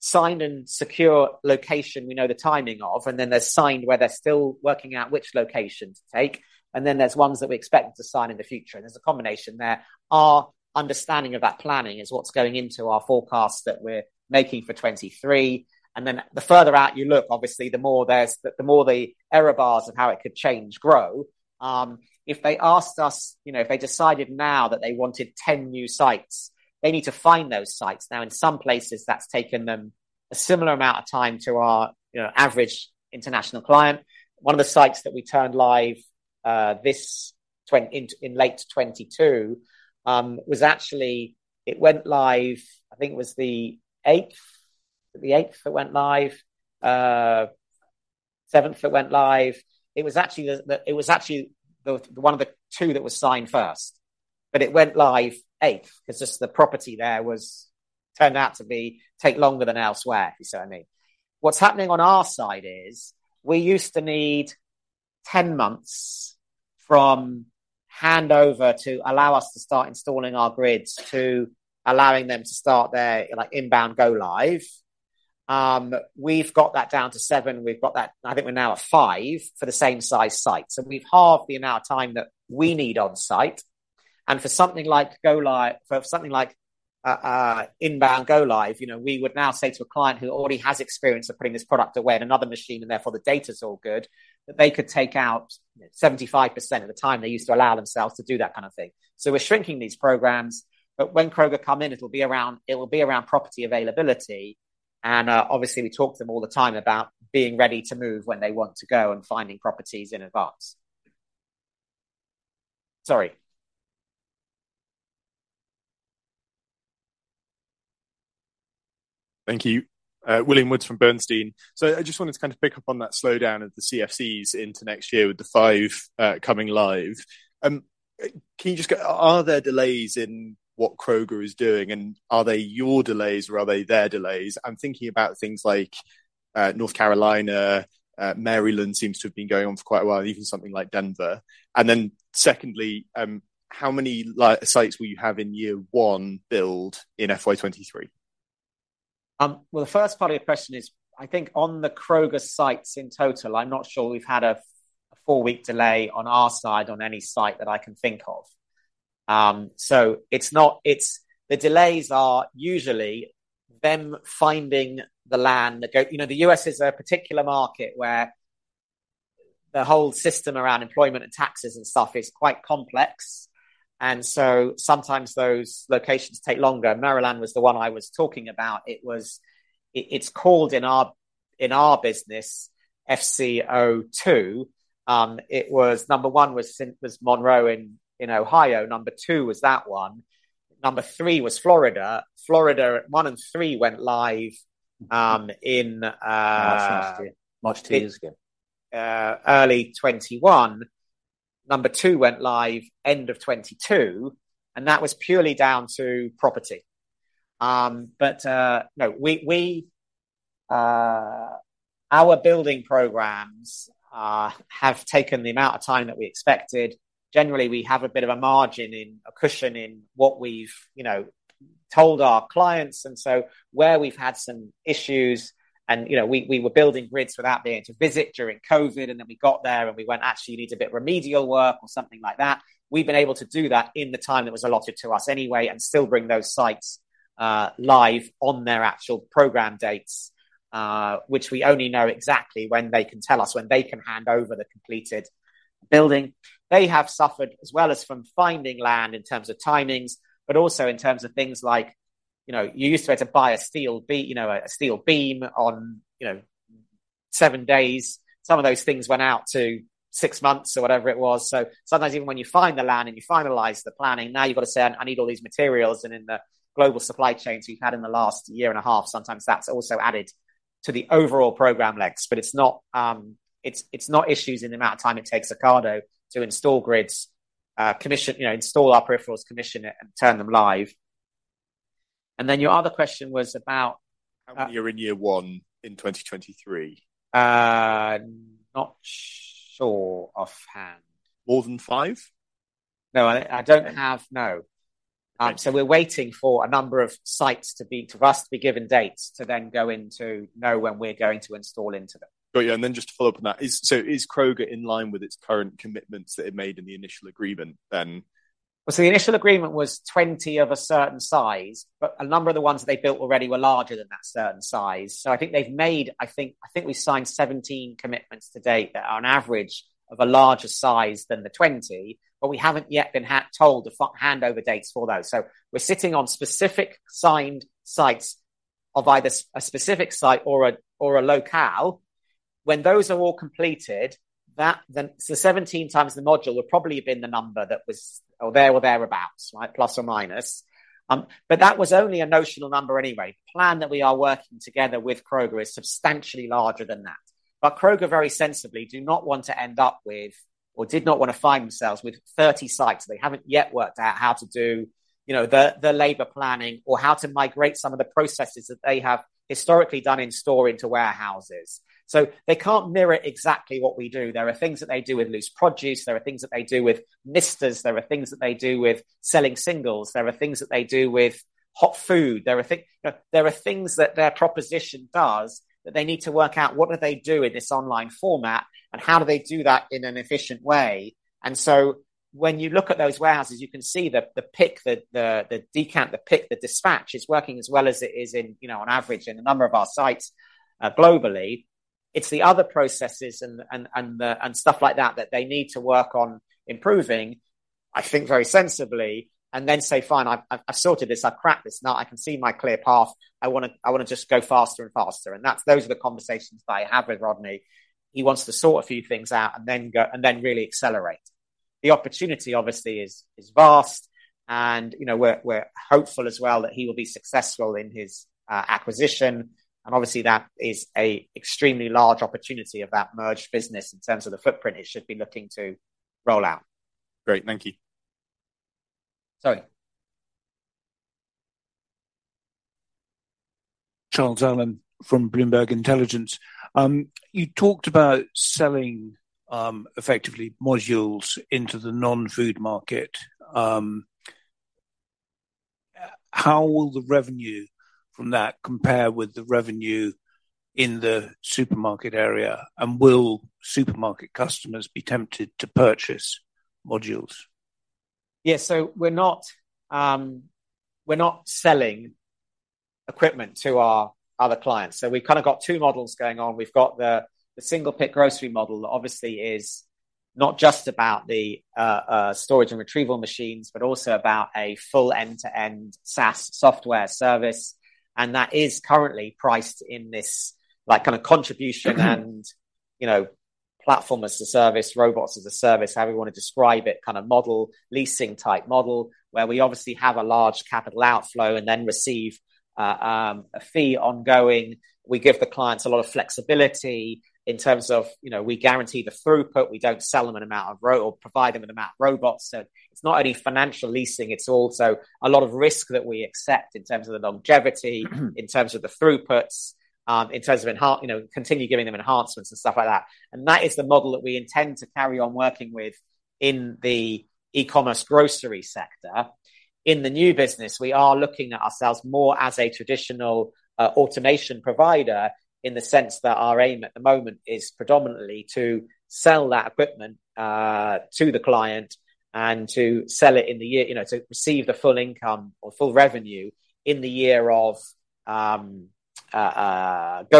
sign and secure location we know the timing of, and then there's signed where they're still working out which location to take, and then there's ones that we expect to sign in the future. There's a combination there. Our understanding of that planning is what's going into our forecast that we're making for 2023, and then the further out you look, obviously the more the error bars of how it could change grow. If they asked us, you know, if they decided now that they wanted 10 new sites, they need to find those sites. Now, in some places, that's taken them a similar amount of time to our, you know, average international client. One of the sites that we turned live in late 2022 was actually it went live, I think it was the 8th. The 8th it went live. 7th it went live. It was actually the one of the two that was signed first, but it went live eighth 'cause just the property there was, turned out to be, take longer than elsewhere, if you see what I mean. What's happening on our side is we used to need 10 months from handover to allow us to start installing our grids to allowing them to start their, like, inbound go live. We've got that down to seven. We've got that, I think we're now at five for the same size site. We've halved the amount of time that we need on site. For something like inbound go live, you know, we would now say to a client who already has experience of putting this product away in another machine and therefore the data's all good, that they could take out 75% of the time they used to allow themselves to do that kind of thing. We're shrinking these programs. When Kroger come in, it will be around property availability, and obviously we talk to them all the time about being ready to move when they want to go and finding properties in advance. Sorry. Thank you. William Woods from Bernstein. I just wanted to kind of pick up on that slowdown of the CFCs into next year with the five coming live. Are there delays in what Kroger is doing, and are they your delays or are they their delays? I'm thinking about things like North Carolina, Maryland seems to have been going on for quite a while, and even something like Denver. Secondly, how many sites will you have in year 1 build in FY 2023? Well, the first part of your question is, I think on the Kroger sites in total, I'm not sure we've had a four week delay on our side on any site that I can think of. It's the delays are usually them finding the land. You know, the U.S. is a particular market where the whole system around employment and taxes and stuff is quite complex. Sometimes those locations take longer. Maryland was the one I was talking about. It's called in our business FC02. It was number one was Monroe in Ohio. Number two was that one. Number three was Florida. Florida, one and went live in. March two years ago. Early 21. Number two went live end of 22, and that was purely down to property. No, we, our building programs have taken the amount of time that we expected. Generally, we have a bit of a margin in, a cushion in what we've, you know, told our clients and so where we've had some issues and, you know, we were building grids without being able to visit during COVID, and then we got there, and we went, "Actually you need a bit of remedial work," or something like that. We've been able to do that in the time that was allotted to us anyway and still bring those sites live on their actual program dates, which we only know exactly when they can tell us, when they can hand over the completed building. They have suffered as well as from finding land in terms of timings, but also in terms of things like, you know, you used to have to buy a steel beam on, you know, seven days. Some of those things went out to six months or whatever it was. Sometimes even when you find the land and you finalize the planning, now you've got to say, "I need all these materials," and in the global supply chains we've had in the last year and a half, sometimes that's also added to the overall program legs. It's not, it's not issues in the amount of time it takes Ocado to install grids, commission, you know, install our peripherals, commission it, and turn them live. Your other question was about- How many are in year one in 2023? Not sure offhand. More than five? No, I don't have. No. We're waiting for a number of sites for us to be given dates to then go in to know when we're going to install into them. Got you. Just to follow up on that. Is Kroger in line with its current commitments that it made in the initial agreement then? The initial agreement was 20 of a certain size, but a number of the ones they built already were larger than that certain size. I think they've made, I think we've signed 17 commitments to date that are on average of a larger size than the 20, but we haven't yet been told the handover dates for those. We're sitting on specific signed sites of either a specific site or a, or a locale. When those are all completed, that 17 times the module would probably have been the number that was or thereabouts, right? Plus or minus. But that was only a notional number anyway. The plan that we are working together with Kroger is substantially larger than that. Kroger very sensibly do not want to end up with, or did not wanna find themselves with 30 sites. They haven't yet worked out how to do, you know, the labor planning or how to migrate some of the processes that they have historically done in-store into warehouses. They can't mirror exactly what we do. There are things that they do with loose produce, there are things that they do with misters, there are things that they do with selling singles, there are things that they do with hot food. You know, there are things that their proposition does that they need to work out what do they do in this online format, and how do they do that in an efficient way. When you look at those warehouses, you can see the pick, the decant, the pick, the dispatch is working as well as it is in, you know, on average in a number of our sites globally. It's the other processes and stuff like that they need to work on improving, I think very sensibly, and then say, "Fine, I've sorted this, I've cracked this. Now I can see my clear path. I wanna just go faster and faster." Those are the conversations that I have with Rodney. He wants to sort a few things out and then really accelerate. The opportunity obviously is vast and, you know, we're hopeful as well that he will be successful in his acquisition, and obviously that is a extremely large opportunity of that merged business in terms of the footprint it should be looking to roll out. Great. Thank you. Sorry. Charles Allen from Bloomberg Intelligence, you talked about selling, effectively modules into the non-food market. How will the revenue from that compare with the revenue in the supermarket area, and will supermarket customers be tempted to purchase modules? Yeah. We're not, we're not selling equipment to our other clients. We've kind of got two models going on. We've got the single pick grocery model, that obviously is not just about the storage and retrieval machines, but also about a full end-to-end SaaS software service, and that is currently priced in this like kind of contribution and, you know, platform as a service, robots as a service, however you wanna describe it, kind of model, leasing type model, where we obviously have a large capital outflow and then receive a fee ongoing. We give the clients a lot of flexibility in terms of, you know, we guarantee the throughput, we don't sell them or provide them an amount of robots. It's not only financial leasing, it's also a lot of risk that we accept in terms of the longevity, in terms of the throughputs, in terms of you know, continue giving them enhancements and stuff like that. That is the model that we intend to carry on working with in the E-commerce grocery sector. In the new business, we are looking at ourselves more as a traditional automation provider, in the sense that our aim at the moment is predominantly to sell that equipment to the client and to receive the full income or full revenue in the year of go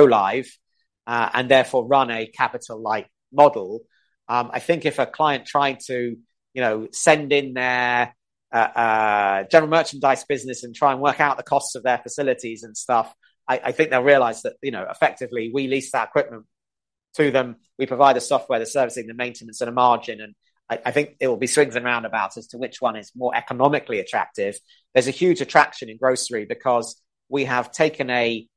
live, and therefore run a capital-like model. I think if a client tried to, you know, send in their general merchandise business and try and work out the costs of their facilities and stuff. I think they'll realize that, you know, effectively we lease that equipment to them. We provide the software, the servicing, the maintenance and a margin, and I think it will be swings and roundabouts as to which one is more economically attractive. There's a huge attraction in grocery because we have taken a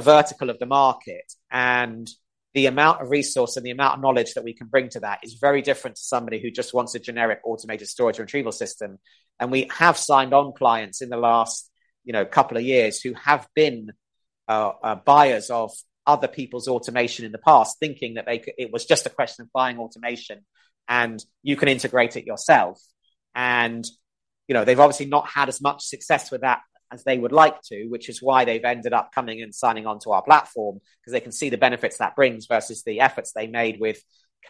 vertical of the market, and the amount of resource and the amount of knowledge that we can bring to that is very different to somebody who just wants a generic automated storage retrieval system. We have signed on clients in the last, you know, couple of years who have been buyers of other people's automation in the past, thinking that they it was just a question of buying automation and you can integrate it yourself. You know, they've obviously not had as much success with that as they would like to, which is why they've ended up coming and signing on to our platform, because they can see the benefits that brings versus the efforts they made with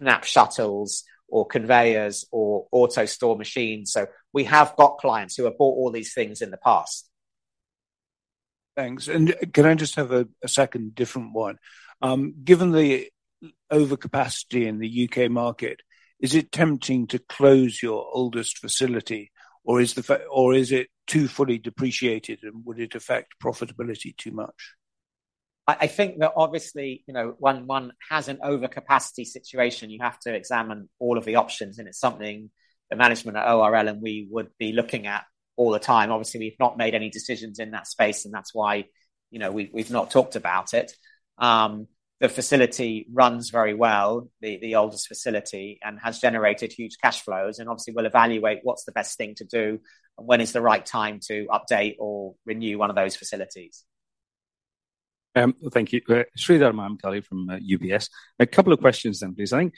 KNAPP shuttles or conveyors or AutoStore machines. We have got clients who have bought all these things in the past. Thanks. Can I just have a second different one? Given the overcapacity in the UK market, is it tempting to close your oldest facility or is it too fully depreciated, and would it affect profitability too much? I think that obviously, you know, when one has an overcapacity situation, you have to examine all of the options, and it's something the management at ORL and we would be looking at all the time. Obviously, we've not made any decisions in that space, and that's why, you know, we've not talked about it. The facility runs very well, the oldest facility, and has generated huge cash flows, and obviously we'll evaluate what's the best thing to do and when is the right time to update or renew one of those facilities. Thank you. Sridhar Mamidala from UBS. A couple of questions then, please. I think,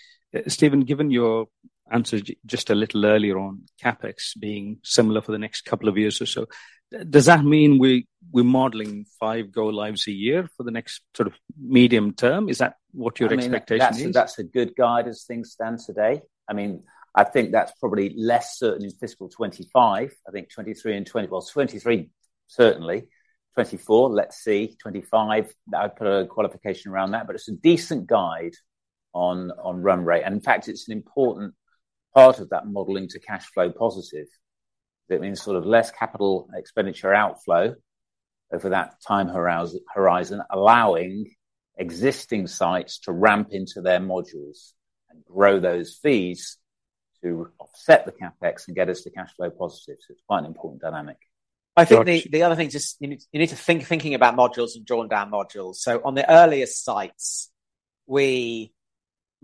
Stephen, given your answer just a little earlier on CapEx being similar for the next two years or so, does that mean we're modeling five go lives a year for the next sort of medium term? Is that what your expectation is? I mean, that's a, that's a good guide as things stand today. I mean, I think that's probably less certain in fiscal 2025. Well, 2023, certainly. 2024, let's see. 2025, I'd put a qualification around that. It's a decent guide on run rate, and in fact, it's an important part of that modeling to cash flow positive. That means sort of less capital expenditure outflow over that time horizon, allowing existing sites to ramp into their modules and grow those fees. To offset the CapEx and get us to cash flow positive. It's quite an important dynamic. I think the other thing just you need to think, thinking about modules and drawing down modules. On the earlier sites we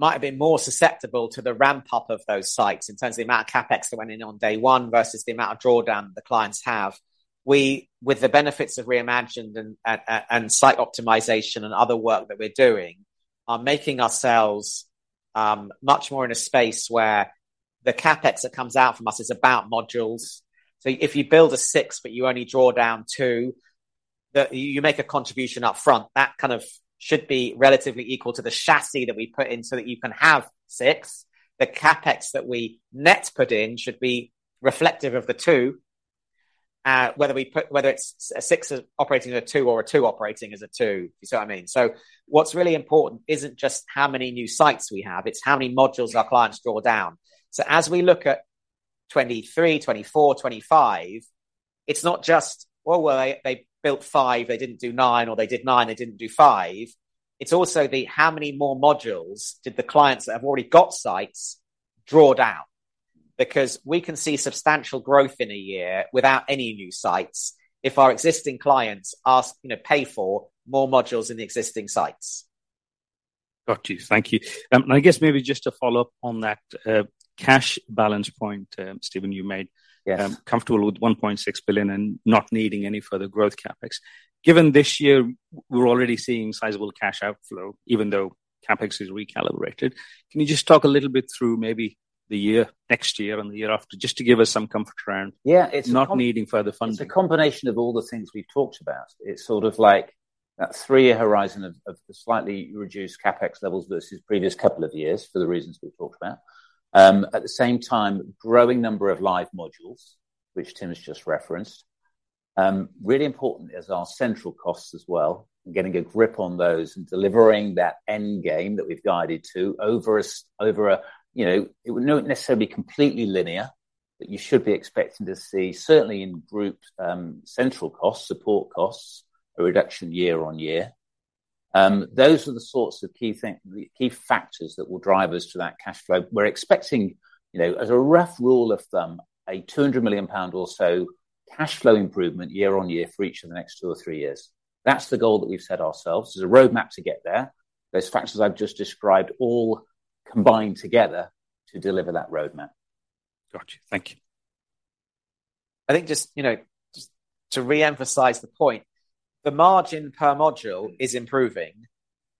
might have been more susceptible to the ramp-up of those sites in terms of the amount of CapEx that went in on day one versus the amount of drawdown the clients have. We, with the benefits of Reimagined and, and site optimization and other work that we're doing, are making ourselves much more in a space where the CapEx that comes out from us is about modules. If you build a six but you only draw down two, you make a contribution up front, that kind of should be relatively equal to the chassis that we put in so that you can have six. The CapEx that we net put in should be reflective of the two, whether it's a six operating as a two or a two operating as a two. You see what I mean? What's really important isn't just how many new sites we have, it's how many modules our clients draw down. As we look at 2023, 2024, 2025, it's not just, well, they built five, they didn't do 9, or they did 9, they didn't do five. It's also the how many more modules did the clients that have already got sites draw down? We can see substantial growth in a year without any new sites if our existing clients ask, you know, pay for more modules in the existing sites. Got you. Thank you. I guess maybe just to follow up on that, cash balance point, Stephen, you made. Yes. Comfortable with 1.6 billion and not needing any further growth CapEx. Given this year we're already seeing sizable cash outflow even though CapEx is recalibrated, can you just talk a little bit through maybe the year, next year and the year after just to give us some comfort? Yeah. not needing further funding. It's a combination of all the things we've talked about. It's sort of like that three-year horizon of the slightly reduced CapEx levels versus previous two years for the reasons we've talked about. At the same time, growing number of live modules, which Tim has just referenced. Really important is our central costs as well, and getting a grip on those and delivering that end game that we've guided to over a, you know, not necessarily completely linear, but you should be expecting to see certainly in group, central costs, support costs, a reduction year-over-year. Those are the sorts of key factors that will drive us to that cash flow. We're expecting, you know, as a rough rule of thumb, a 200 million pound or so cash flow improvement year-on-year for each of the next two or three years. That's the goal that we've set ourselves. There's a roadmap to get there. Those factors I've just described all combine together to deliver that roadmap. Got you. Thank you. I think just, you know, just to re-emphasize the point, the margin per module is improving.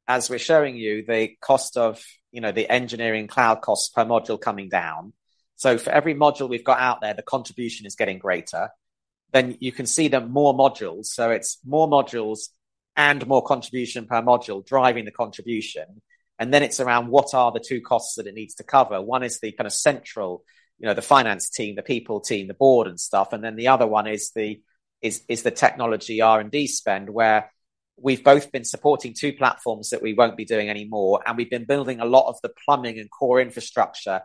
As we're showing you the cost of, you know, the engineering cloud costs per module coming down. For every module we've got out there, the contribution is getting greater. You can see there are more modules. It's more modules and more contribution per module driving the contribution, and then it's around what are the two costs that it needs to cover. One is the kind of central, you know, the finance team, the people team, the board and stuff. The other one is the technology R&D spend where we've both been supporting two platforms that we won't be doing anymore, and we've been building a lot of the plumbing and core infrastructure.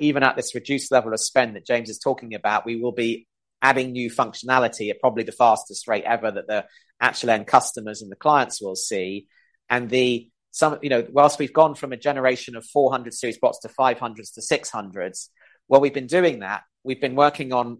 Even at this reduced level of spend that James is talking about, we will be adding new functionality at probably the fastest rate ever that the actual end customers and the clients will see. You know, whilst we've gone from a generation of 400 series bots to 500s to 600s, while we've been doing that, we've been working on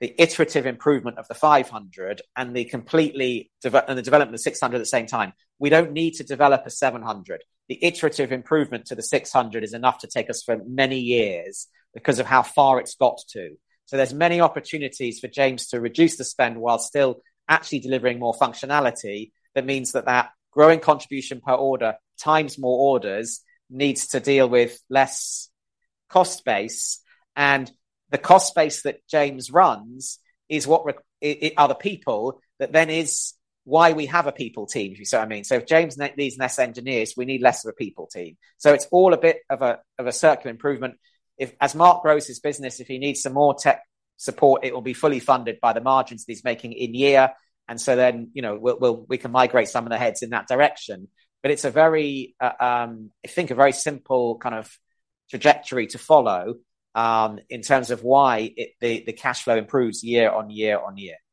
the iterative improvement of the 500 and the development of the 600 at the same time. We don't need to develop a 700. The iterative improvement to the 600 is enough to take us for many years because of how far it's got to. There's many opportunities for James to reduce the spend while still actually delivering more functionality. That means that that growing contribution per order times more orders needs to deal with less cost base. The cost base that James runs is what are the people that then is why we have a people team, if you see what I mean. If James needs less engineers, we need less of a people team. It's all a bit of a circular improvement. If as Mark grows his business, if he needs some more tech support, it will be fully funded by the margins that he's making in year. You know, we'll we can migrate some of the heads in that direction. It's a very, I think a very simple kind of trajectory to follow, in terms of why the cash flow improves year on year on year.